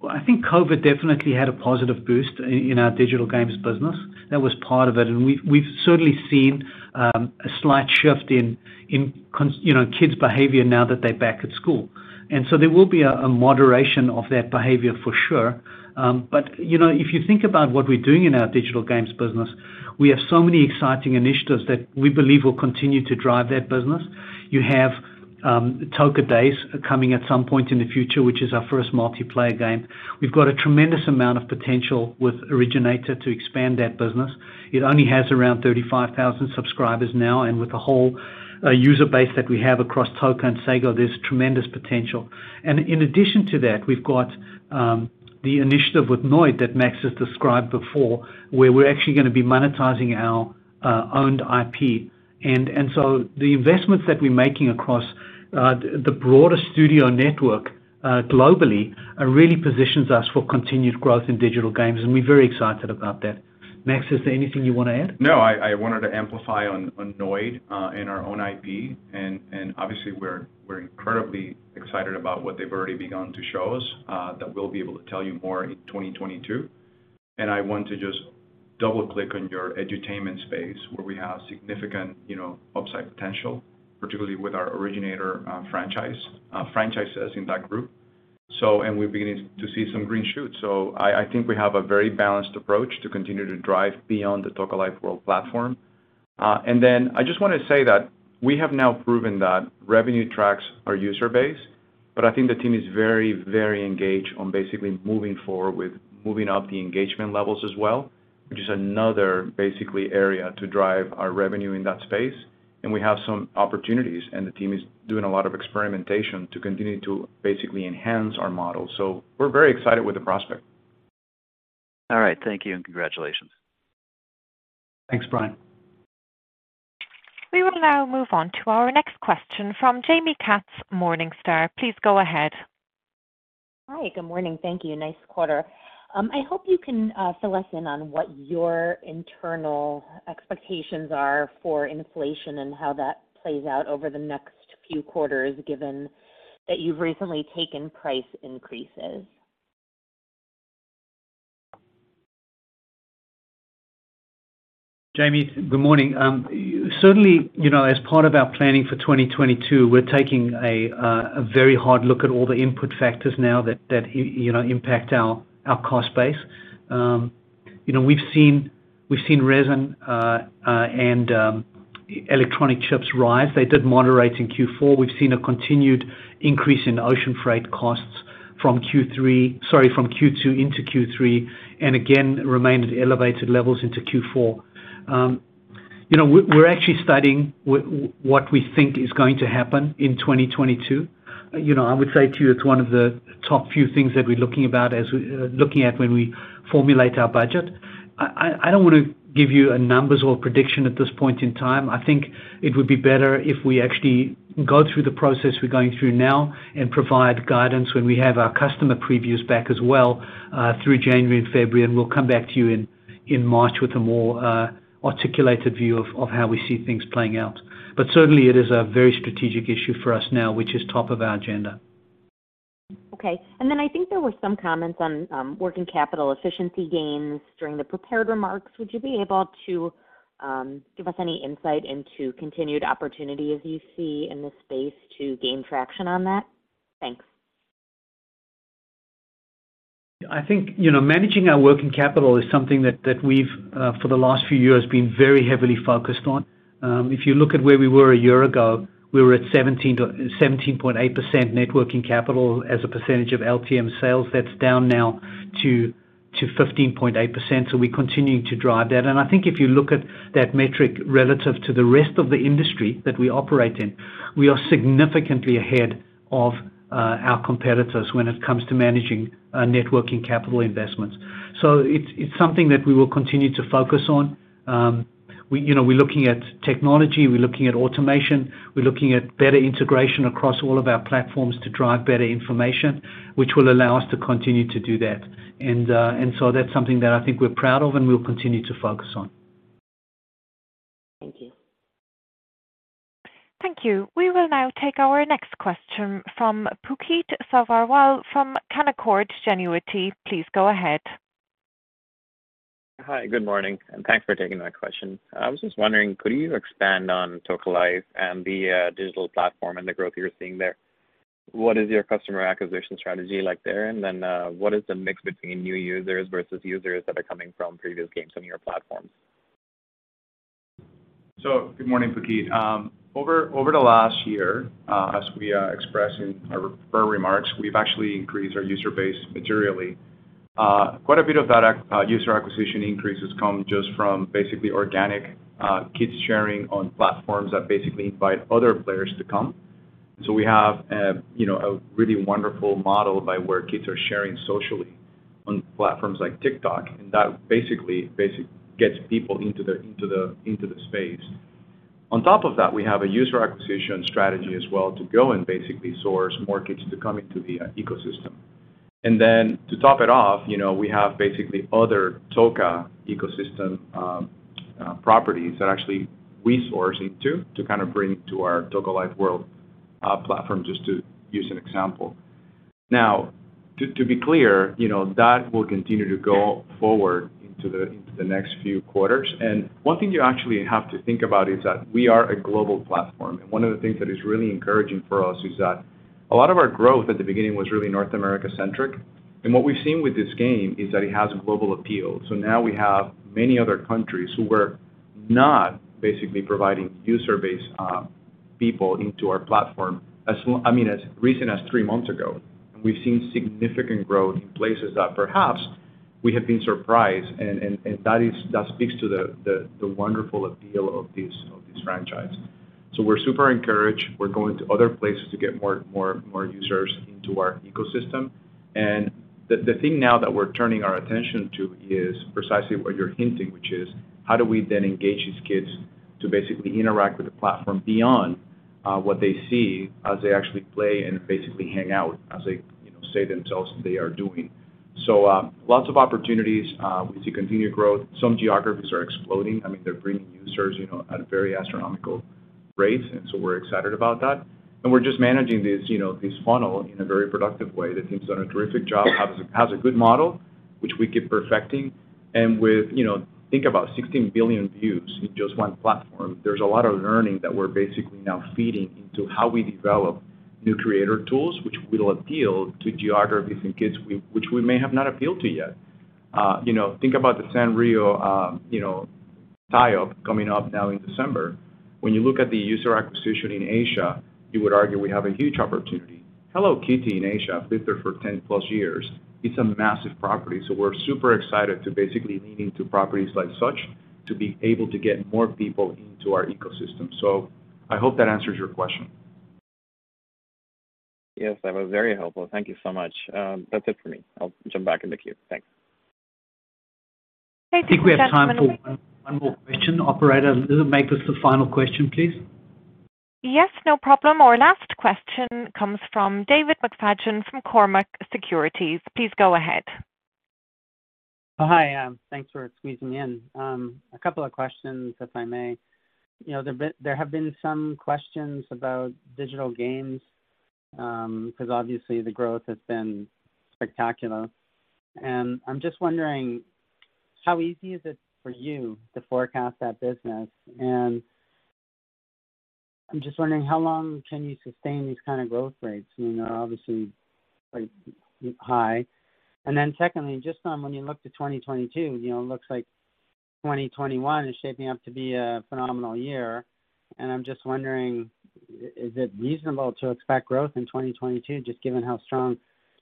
Well, I think COVID definitely had a positive boost in our digital games business. That was part of it. We've certainly seen a slight shift in you know, kids' behavior now that they're back at school. There will be a moderation of that behavior for sure. You know, if you think about what we're doing in our digital games business, we have so many exciting initiatives that we believe will continue to drive that business. You have Toca Days coming at some point in the future, which is our first multiplayer game. We've got a tremendous amount of potential with Originator to expand that business. It only has around 35,000 subscribers now, and with the whole user base that we have across Toca and Sago, there's tremendous potential. In addition to that, we've got the initiative with Noid that Max has described before, where we're actually gonna be monetizing our owned IP. So the investments that we're making across the broader studio network globally really positions us for continued growth in digital games, and we're very excited about that. Max, is there anything you wanna add? No. I wanted to amplify on Noid and our own IP. Obviously we're incredibly excited about what they've already begun to show us that we'll be able to tell you more in 2022. I want to just double-click on your edutainment space where we have significant, you know, upside potential, particularly with our Originator franchise franchises in that group. We're beginning to see some green shoots. I think we have a very balanced approach to continue to drive beyond the Toca Life World platform. I just wanna say that we have now proven that revenue tracks our user base, but I think the team is very engaged on basically moving forward with moving up the engagement levels as well, which is another basically area to drive our revenue in that space. We have some opportunities, and the team is doing a lot of experimentation to continue to basically enhance our model. We're very excited with the prospect. All right. Thank you, and congratulations. Thanks, Brian. We will now move on to our next question from Jaime Katz, Morningstar. Please go ahead. Hi. Good morning. Thank you. Nice quarter. I hope you can fill us in on what your internal expectations are for inflation and how that plays out over the next few quarters, given that you've recently taken price increases. Jaime, good morning. Certainly, you know, as part of our planning for 2022, we're taking a very hard look at all the input factors now that you know impact our cost base. You know, we've seen resin and electronic chips rise. They did moderate in Q4. We've seen a continued increase in ocean freight costs from Q3, sorry, from Q2 into Q3, and again remained at elevated levels into Q4. You know, we're actually studying what we think is going to happen in 2022. You know, I would say to you it's one of the top few things that we're looking at when we formulate our budget. I don't wanna give you any numbers or prediction at this point in time. I think it would be better if we actually go through the process we're going through now and provide guidance when we have our customer previews back as well, through January and February, and we'll come back to you in March with a more articulated view of how we see things playing out. Certainly it is a very strategic issue for us now, which is top of our agenda. Okay. Then I think there were some comments on working capital efficiency gains during the prepared remarks. Would you be able to give us any insight into continued opportunities you see in this space to gain traction on that? Thanks. I think, you know, managing our working capital is something that we've for the last few years been very heavily focused on. If you look at where we were a year ago, we were at 17.8% net working capital as a % of LTM sales. That's down now to 15.8%. We're continuing to drive that. I think if you look at that metric relative to the rest of the industry that we operate in, we are significantly ahead of our competitors when it comes to managing our net working capital investments. It's something that we will continue to focus on. We, you know, we're looking at technology, we're looking at automation, we're looking at better integration across all of our platforms to drive better information, which will allow us to continue to do that. That's something that I think we're proud of and we'll continue to focus on. Thank you. Thank you. We will now take our next question from Pulkit Sabharwal from Canaccord Genuity. Please go ahead. Hi, good morning, and thanks for taking my question. I was just wondering, could you expand on Toca Life and the digital platform and the growth you're seeing there? What is your customer acquisition strategy like there? What is the mix between new users versus users that are coming from previous games on your platforms? Good morning, Pulkit. Over the last year, as we expressed in our prepared remarks, we've actually increased our user base materially. Quite a bit of that user acquisition increases come just from basically organic kids sharing on platforms that basically invite other players to come. We have, you know, a really wonderful model by where kids are sharing socially on platforms like TikTok, and that basically gets people into the space. On top of that, we have a user acquisition strategy as well to go and basically source more kids to come into the ecosystem. To top it off, you know, we have basically other Toca ecosystem properties that actually we source into to kind of bring to our Toca Life World platform, just to use an example. Now, to be clear, you know, that will continue to go forward into the next few quarters. One thing you actually have to think about is that we are a global platform. One of the things that is really encouraging for us is that a lot of our growth at the beginning was really North America centric. What we've seen with this game is that it has global appeal. Now we have many other countries who were not basically providing user base people into our platform as recent as three months ago. We've seen significant growth in places that perhaps we have been surprised and that speaks to the wonderful appeal of this franchise. We're super encouraged. We're going to other places to get more users into our ecosystem. The thing now that we're turning our attention to is precisely what you're hinting, which is how do we then engage these kids to basically interact with the platform beyond what they see as they actually play and basically hang out as they, you know, say themselves they are doing? Lots of opportunities. We see continued growth. Some geographies are exploding. I mean, they're bringing users, you know, at very astronomical rates, so we're excited about that. We're just managing this, you know, this funnel in a very productive way. The team's done a terrific job, has a good model, which we keep perfecting. With, you know, think about 16 billion views in just one platform. There's a lot of learning that we're basically now feeding into how we develop new creator tools, which will appeal to geographies and kids which we may have not appealed to yet. You know, think about the Sanrio, you know, tie-up coming up now in December. When you look at the user acquisition in Asia, you would argue we have a huge opportunity. Hello Kitty in Asia lived there for 10+ years. It's a massive property, so we're super excited to basically lean into properties like such to be able to get more people into our ecosystem. I hope that answers your question. Yes, that was very helpful. Thank you so much. That's it for me. I'll jump back in the queue. Thanks. I think we have time for one more question. Operator, does it make this the final question, please? Yes, no problem. Our last question comes from David McFadgen from Cormark Securities. Please go ahead. Oh, hi. Thanks for squeezing me in. A couple of questions, if I may. You know, there have been some questions about digital games, 'cause obviously the growth has been spectacular. I'm just wondering how easy is it for you to forecast that business? I'm just wondering how long can you sustain these kind of growth rates? I mean, they're obviously quite high. Secondly, just on when you look to 2022, you know, it looks like 2021 is shaping up to be a phenomenal year, and I'm just wondering, is it reasonable to expect growth in 2022, just given how strong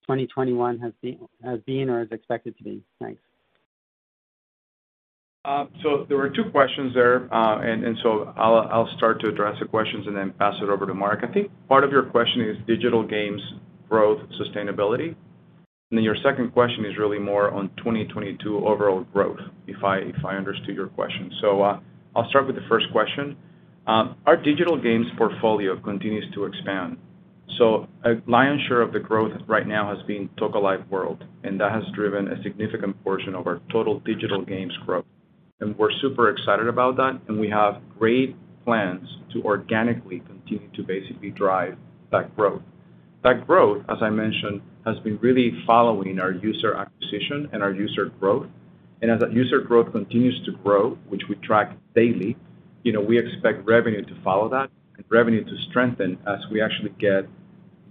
2021 has been or is expected to be? Thanks. There were two questions there. I'll start to address the questions and then pass it over to Mark. I think part of your question is digital games growth sustainability. Then your second question is really more on 2022 overall growth, if I understood your question. I'll start with the first question. Our digital games portfolio continues to expand. A lion's share of the growth right now has been Toca Life World, and that has driven a significant portion of our total digital games growth. We're super excited about that, and we have great plans to organically continue to basically drive that growth. That growth, as I mentioned, has been really following our user acquisition and our user growth. As that user growth continues to grow, which we track daily, you know, we expect revenue to follow that and revenue to strengthen as we actually get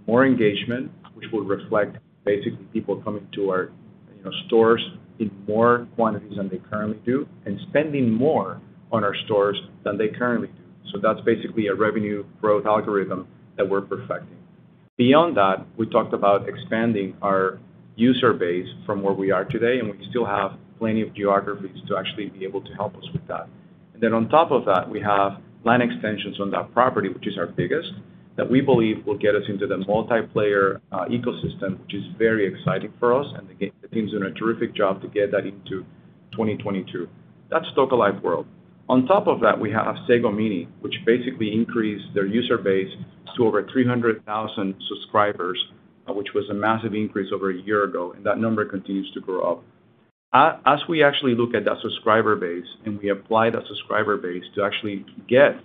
more engagement, which will reflect basically people coming to our, you know, stores in more quantities than they currently do, and spending more on our stores than they currently do. That's basically a revenue growth algorithm that we're perfecting. Beyond that, we talked about expanding our user base from where we are today, and we still have plenty of geographies to actually be able to help us with that. Then on top of that, we have brand extensions on that property, which is our biggest, that we believe will get us into the multiplayer ecosystem, which is very exciting for us. The team's doing a terrific job to get that into 2022. That's Toca Life World. On top of that, we have Sago Mini, which basically increased their user base to over 300,000 subscribers, which was a massive increase over a year ago, and that number continues to grow up. As we actually look at that subscriber base and we apply that subscriber base to actually get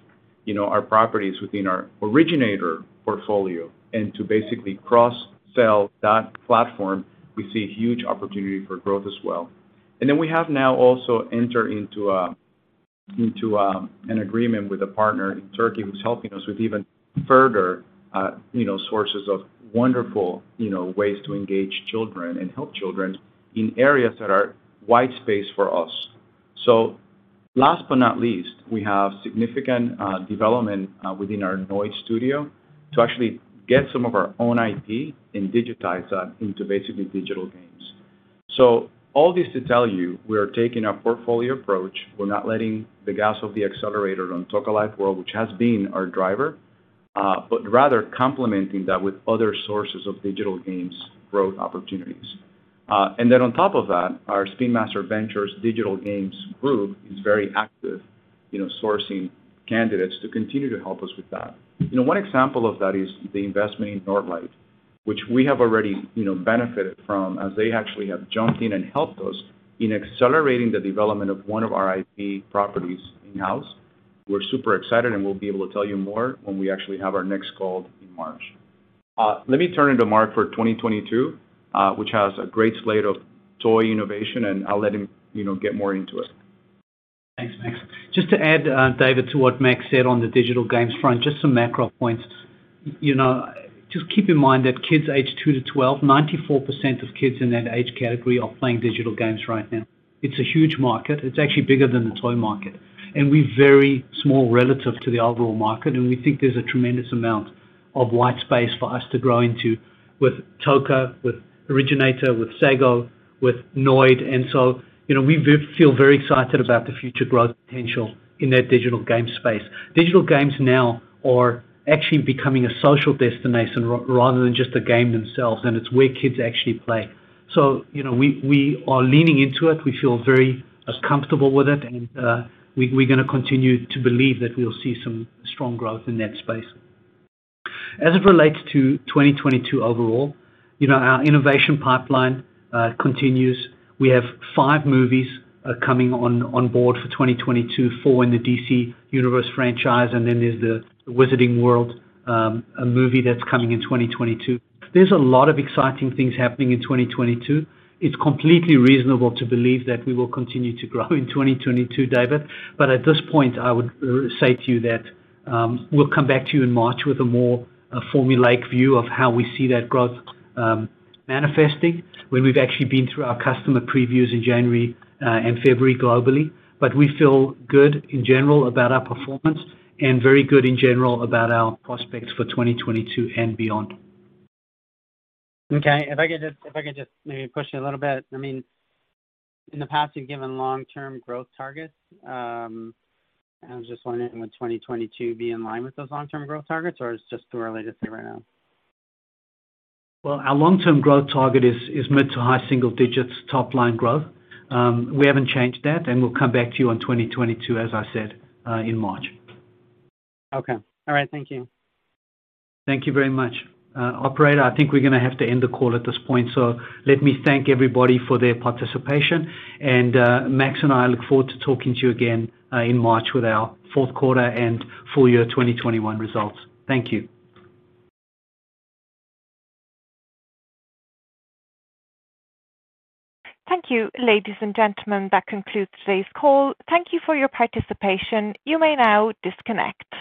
you know, our properties within our Originator portfolio and to basically cross-sell that platform, we see a huge opportunity for growth as well. We have now also entered into an agreement with a partner in Turkey who's helping us with even further, you know, sources of wonderful, you know, ways to engage children and help children in areas that are wide space for us. Last but not least, we have significant development within our Noid studio to actually get some of our own IP and digitize that into basically digital games. All this to tell you, we are taking a portfolio approach. We're not letting the gas off the accelerator on Toca Life World, which has been our driver, but rather complementing that with other sources of digital games growth opportunities. Then on top of that, our Spin Master Ventures digital games group is very active, you know, sourcing candidates to continue to help us with that. You know, one example of that is the investment in Nørdlight, which we have already, you know, benefited from as they actually have jumped in and helped us in accelerating the development of one of our IP properties in-house. We're super excited, and we'll be able to tell you more when we actually have our next call in March. Let me turn it to Mark Siegel for 2022, which has a great slate of toy innovation, and I'll let him, you know, get more into it. Thanks, Max. Just to add, David, to what Max said on the digital games front, just some macro points. You know, just keep in mind that kids aged two to 12, 94% of kids in that age category are playing digital games right now. It's a huge market. It's actually bigger than the toy market, and we're very small relative to the overall market, and we think there's a tremendous amount of white space for us to grow into with Toca, with Originator, with Sago, with Noid. You know, we feel very excited about the future growth potential in that digital game space. Digital games now are actually becoming a social destination rather than just a game themselves, and it's where kids actually play. You know, we are leaning into it. We feel very comfortable with it and, we're gonna continue to believe that we'll see some strong growth in that space. As it relates to 2022 overall, you know, our innovation pipeline continues. We have five movies coming on board for 2022, 4 in the DC Universe franchise, and then there's the Wizarding World movie that's coming in 2022. There's a lot of exciting things happening in 2022. It's completely reasonable to believe that we will continue to grow in 2022, David. At this point, I would say to you that, we'll come back to you in March with a more formulaic view of how we see that growth manifesting when we've actually been through our customer previews in January and February globally. We feel good in general about our performance and very good in general about our prospects for 2022 and beyond. Okay. If I could just maybe push you a little bit. I mean, in the past, you've given long-term growth targets. I was just wondering, would 2022 be in line with those long-term growth targets, or it's just too early to say right now? Well, our long-term growth target is mid- to high-single-digits top-line growth. We haven't changed that, and we'll come back to you on 2022, as I said, in March. Okay. All right. Thank you. Thank you very much. Operator, I think we're gonna have to end the call at this point. Let me thank everybody for their participation. Max and I look forward to talking to you again in March with our fourth quarter and full year 2021 results. Thank you. Thank you, ladies and gentlemen. That concludes today's call. Thank you for your participation. You may now disconnect.